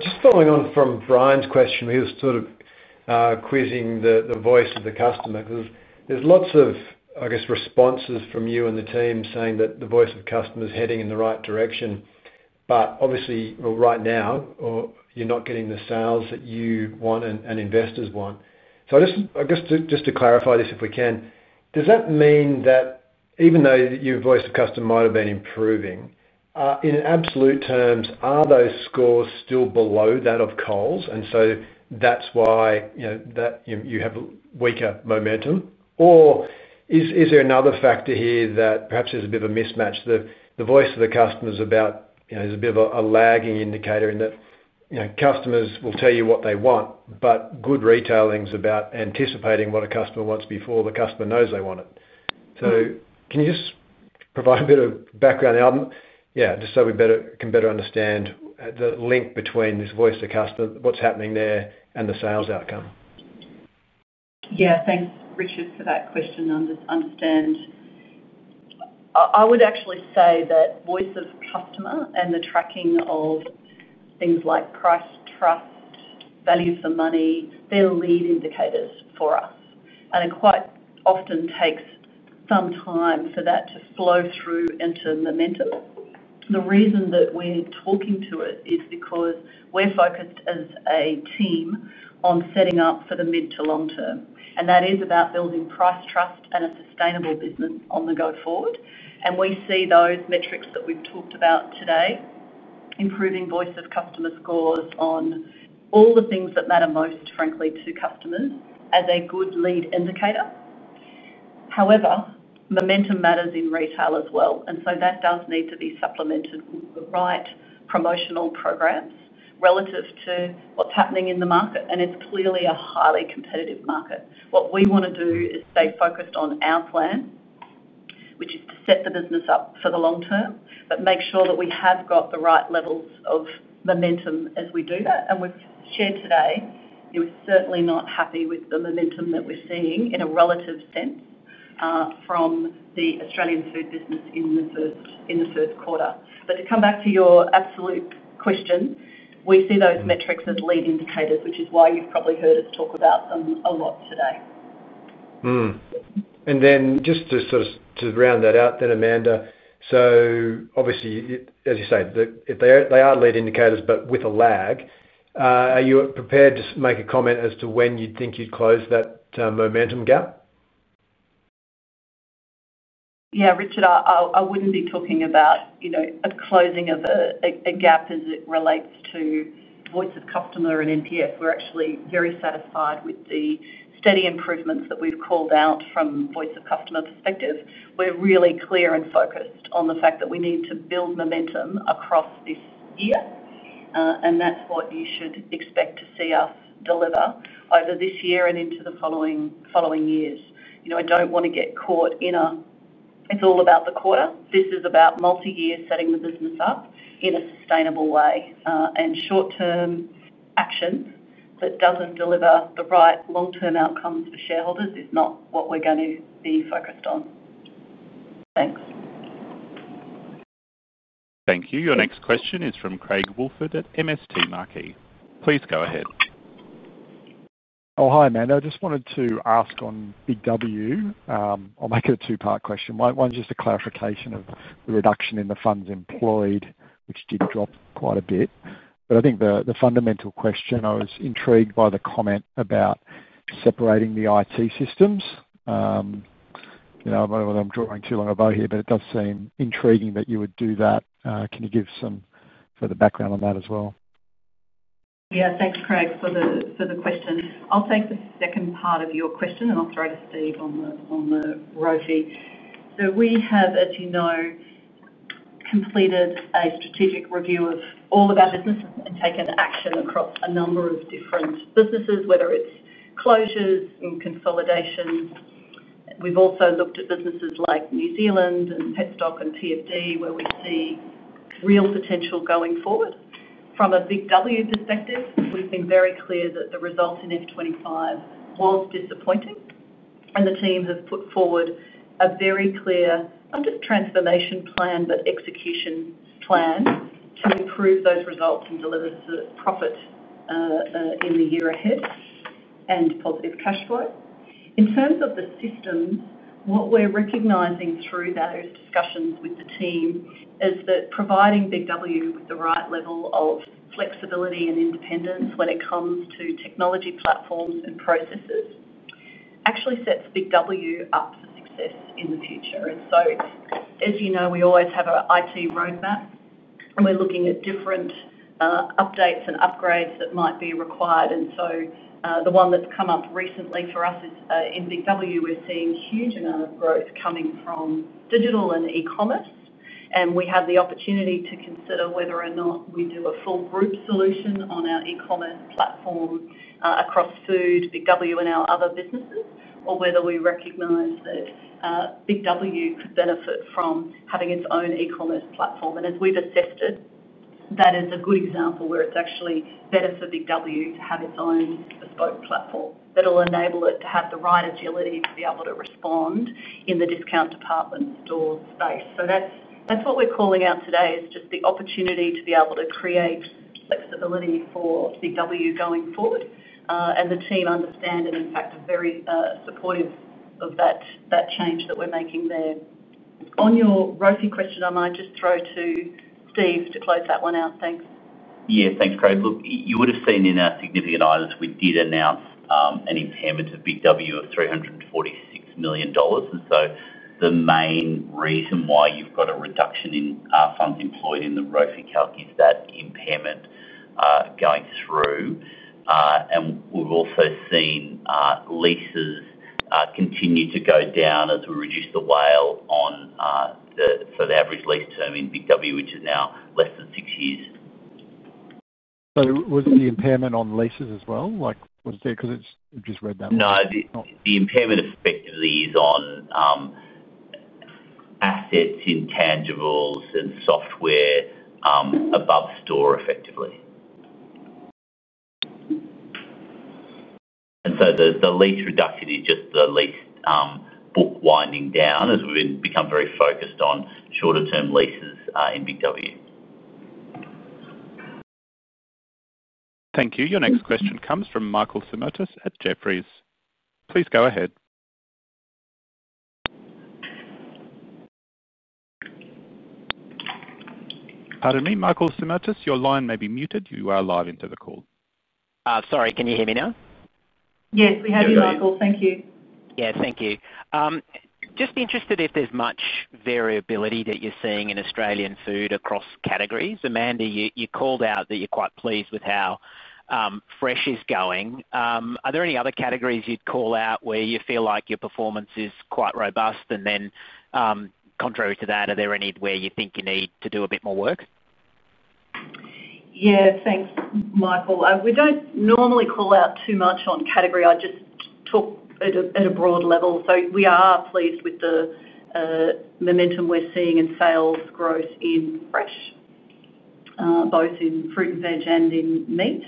Just following on from Bryan's question. We were sort of quizzing the voice of the customer because there's lots of, I guess, responses from you and the team saying that the voice of the customer is heading in the right direction. Obviously, right now, you're not getting the sales that you want and investors want. I guess just to clarify this, if we can, does that mean that even though your voice of the customer might have been improving, in absolute terms, are those scores still below that of Coles? That's why you know that you have weaker momentum. Is there another factor here that perhaps is a bit of a mismatch? The voice of the customer is a bit of a lagging indicator in that customers will tell you what they want, but good retailing is about anticipating what a customer wants before the customer knows they want it. Can you just provide a bit of background? Just so we can better understand the link between this voice of the customer, what's happening there, and the sales outcome. Yeah, thanks, Richard, for that question. I understand. I would actually say that voice of customer and the tracking of things like price trust, value for money, they're lead indicators for us. It quite often takes some time for that to flow through and to momentum. The reason that we're talking to it is because we're focused as a team on setting up for the mid to long term. That is about building price trust and a sustainable business on the go forward. We see those metrics that we've talked about today, improving voice of customer scores on all the things that matter most, frankly, to customers as a good lead indicator. However, momentum matters in retail as well. That does need to be supplemented with the right promotional programs relative to what's happening in the market. It's clearly a highly competitive market. What we want to do is stay focused on our plan, which is to set the business up for the long term, but make sure that we have got the right levels of momentum as we do that. We've shared today, you know, we're certainly not happy with the momentum that we're seeing in a relative sense, from the Australian Food business in the first quarter. To come back to your absolute question, we see those metrics as lead indicators, which is why you've probably heard us talk about them a lot today. To round that out then, Amanda, obviously, as you say, they are lead indicators, but with a lag. Are you prepared to make a comment as to when you'd think you'd close that momentum gap? Yeah, Richard, I wouldn't be talking about, you know, a closing of a gap as it relates to voice of customer and NPS. We're actually very satisfied with the steady improvements that we've called out from a voice of customer perspective. We're really clear and focused on the fact that we need to build momentum across this year, and that's what you should expect to see us deliver over this year and into the following years. I don't want to get caught in a, it's all about the quarter. This is about multi-year setting the business up in a sustainable way, and short-term action that doesn't deliver the right long-term outcomes for shareholders is not what we're going to be focused on. Thanks. Thank you. Your next question is from Craig Woolford at MST Marquee. Please go ahead. Oh, hi, Amanda. I just wanted to ask on BIG W. I'll make it a two-part question. One's just a clarification of the reduction in the funds employed, which did drop quite a bit. I think the fundamental question, I was intrigued by the comment about separating the IT systems. I don't know whether I'm drawing too long a bow here, but it does seem intriguing that you would do that. Can you give some further background on that as well? Yeah, thanks, Craig, for the question. I'll take the second part of your question, and I'll throw to Steve on the ROFE. We have, as you know, completed a strategic review of all of our businesses and taken action across a number of different businesses, whether it's closures and consolidations. We've also looked at businesses like New Zealand and Petstock and PFD, where we see real potential going forward. From a BIG W perspective, we've been very clear that the result in FY 2025 was disappointing. The team has put forward a very clear, not just transformation plan, but execution plan to improve those results and deliver the profit in the year ahead and positive cash flow. In terms of the system, what we're recognizing through those discussions with the team is that providing BIG W with the right level of flexibility and independence when it comes to technology platforms and processes actually sets BIG W up for success in the future. As you know, we always have an IT roadmap, and we're looking at different updates and upgrades that might be required. The one that's come up recently for us is in BIG W, we're seeing a huge amount of growth coming from digital and e-commerce. We had the opportunity to consider whether or not we do a full group solution on our e-commerce platform across Australian Food, BIG W, and our other businesses, or whether we recognize that BIG W could benefit from having its own e-commerce platform. As we've assessed it, that is a good example where it's actually better for BIG W to have its own bespoke platform that will enable it to have the right agility to be able to respond in the discount department store space. That's what we're calling out today, the opportunity to be able to create flexibility for BIG W going forward. The team understand and, in fact, are very supportive of that change that we're making there. On your ROFE question, I might just throw to Steve to close that one out. Thanks. Yeah, thanks, Craig. Look, you would have seen in our significant items we did announce an impairment of BIG W of 346 million dollars. The main reason why you've got a reduction in funds employed in the ROFE calc is that impairment going through. We've also seen leases continue to go down as we reduce the weigh out on the sort of average lease term in BIG W, which is now less than six years. Was it the impairment on leases as well? Was it there because we've just read that? No, the impairment effectively is on assets, intangibles, and software above store, effectively. The lease reduction is just the lease book winding down as we've become very focused on shorter-term leases in BIG W. Thank you. Your next question comes from Michael Simotas at Jefferies. Please go ahead. Pardon me, Michael Simotas. Your line may be muted. You are live into the call. Sorry, can you hear me now? Yes, we have you, Michael. Thank you. Thank you. Just interested if there's much variability that you're seeing in Australian Food across categories. Amanda, you called out that you're quite pleased with how fresh is going. Are there any other categories you'd call out where you feel like your performance is quite robust? Are there any where you think you need to do a bit more work? Yeah, thanks, Michael. We don't normally call out too much on category. I just talk at a broad level. We are pleased with the momentum we're seeing in sales growth in fresh, both in fruit and veg and in meat.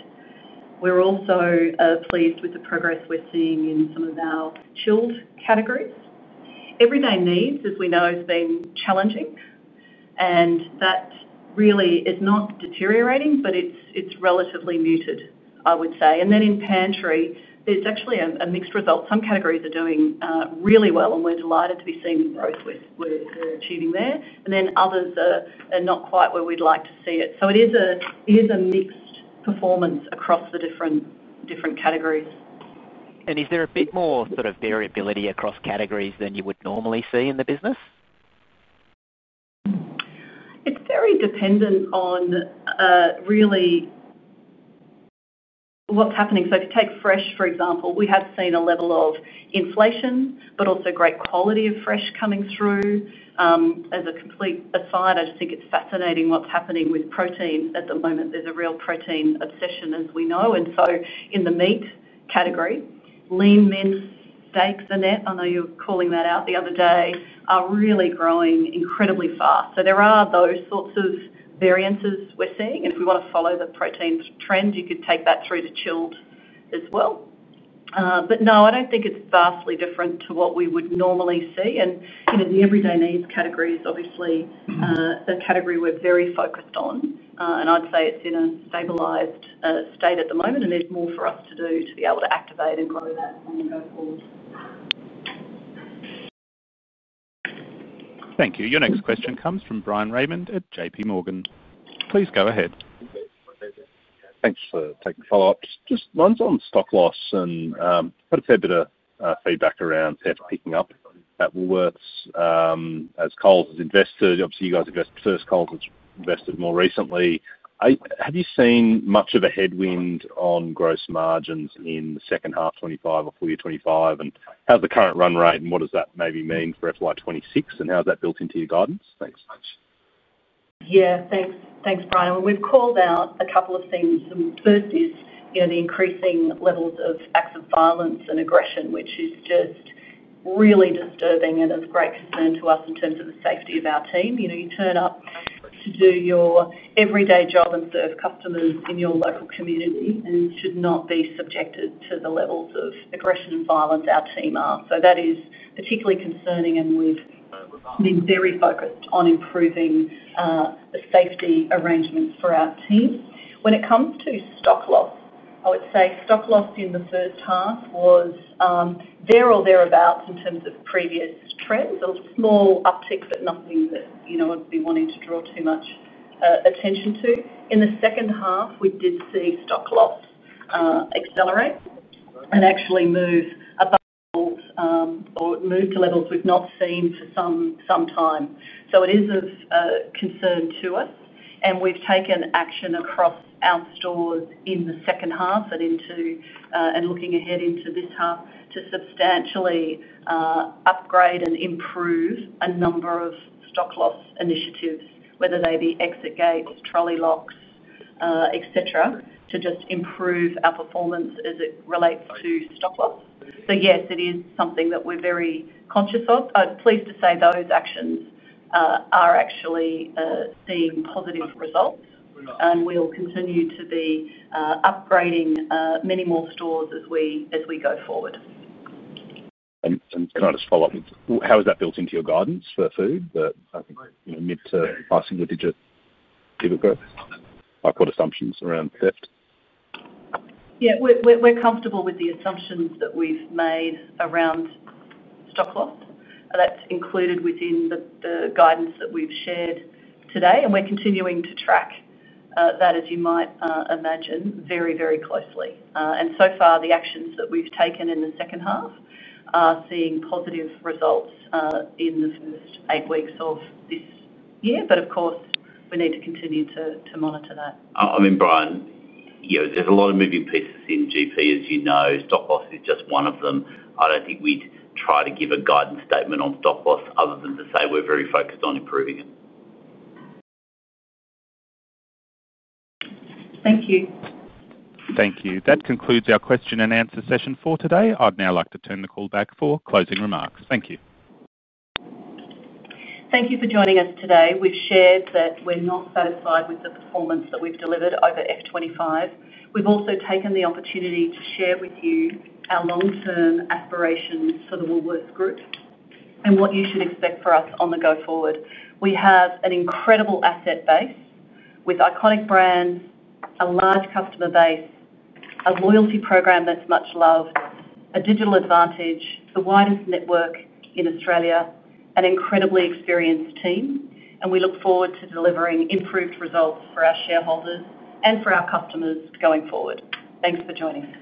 We're also pleased with the progress we're seeing in some of our chilled categories. Everyday needs, as we know, has been challenging. That really is not deteriorating, but it's relatively muted, I would say. In pantry, there's actually a mixed result. Some categories are doing really well, and we're delighted to be seeing the growth we're achieving there. Others are not quite where we'd like to see it. It is a mixed performance across the different categories. Is there a bit more sort of variability across categories than you would normally see in the business? It's very dependent on really what's happening. If you take fresh, for example, we have seen a level of inflation, but also great quality of fresh coming through. As a complete aside, I just think it's fascinating what's happening with protein. At the moment, there's a real protein obsession, as we know. In the meat category, lean mince, steak, the net, I know you were calling that out the other day, are really growing incredibly fast. There are those sorts of variances we're seeing. If we want to follow the protein trend, you could take that through to chilled as well. No, I don't think it's vastly different to what we would normally see. You know the everyday needs category is obviously a category we're very focused on. I'd say it's in a stabilized state at the moment, and there's more for us to do to be able to activate and grow that. Thank you. Your next question comes from Bryan Raymond at JPMorgan. Please go ahead. Yeah, thanks for taking the follow-up. Mine's on stock loss and I've had a fair bit of feedback around perfectly picking up at Woolworths as Coles has invested. Obviously, you guys have invested first. Coles has invested more recently. Have you seen much of a headwind on gross margins in the second half of 2025 or full year 2025? How's the current run rate and what does that maybe mean for FY 2026? How's that built into your guidance? Thanks so much. Yeah, thanks. Thanks, Bryan. We've called out a couple of things. First is the increasing levels of acts of violence and aggression, which is just really disturbing and of great concern to us in terms of the safety of our team. You know, you turn up to do your everyday job and serve customers in your local community and should not be subjected to the levels of aggression and violence our team are. That is particularly concerning, and we've been very focused on improving the safety arrangements for our team. When it comes to stock loss, I would say stock loss in the first half was there or thereabouts in terms of previous trends. A small uptick, but nothing that I'd be wanting to draw too much attention to. In the second half, we did see stock loss accelerate and actually move up or move to levels we've not seen for some time. It is of concern to us. We've taken action across our stores in the second half and looking ahead into this half to substantially upgrade and improve a number of stock loss initiatives, whether they be exit gates, trolley locks, etc., to just improve our performance as it relates to stock loss. Yes, it is something that we're very conscious of. I'm pleased to say those actions are actually seeing positive results. We'll continue to be upgrading many more stores as we go forward. Can I just follow up with how is that built into your guidance for Australian Food that I think mid to high single-digit growth? What assumptions around theft? Yeah, we're comfortable with the assumptions that we've made around stock loss. That's included within the guidance that we've shared today. We're continuing to track that, as you might imagine, very, very closely. So far, the actions that we've taken in the second half are seeing positive results in the first eight weeks of this year. Of course, we need to continue to monitor that. I think, Bryan, you know there's a lot of moving pieces in GP, as you know. Stock loss is just one of them. I don't think we'd try to give a guidance statement on stock loss other than to say we're very focused on improving it. Thank you. Thank you. That concludes our question and answer session for today. I'd now like to turn the call back for closing remarks. Thank you. Thank you for joining us today. We've shared that we're not satisfied with the performance that we've delivered over FY 2025. We've also taken the opportunity to share with you our long-term aspirations for the Woolworths Group and what you should expect for us on the go forward. We have an incredible asset base with iconic brands, a large customer base, a loyalty program that's much loved, a digital advantage, the widest network in Australia, an incredibly experienced team. We look forward to delivering improved results for our shareholders and for our customers going forward. Thanks for joining.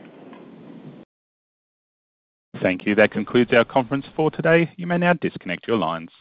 Thank you. That concludes our conference for today. You may now disconnect your lines.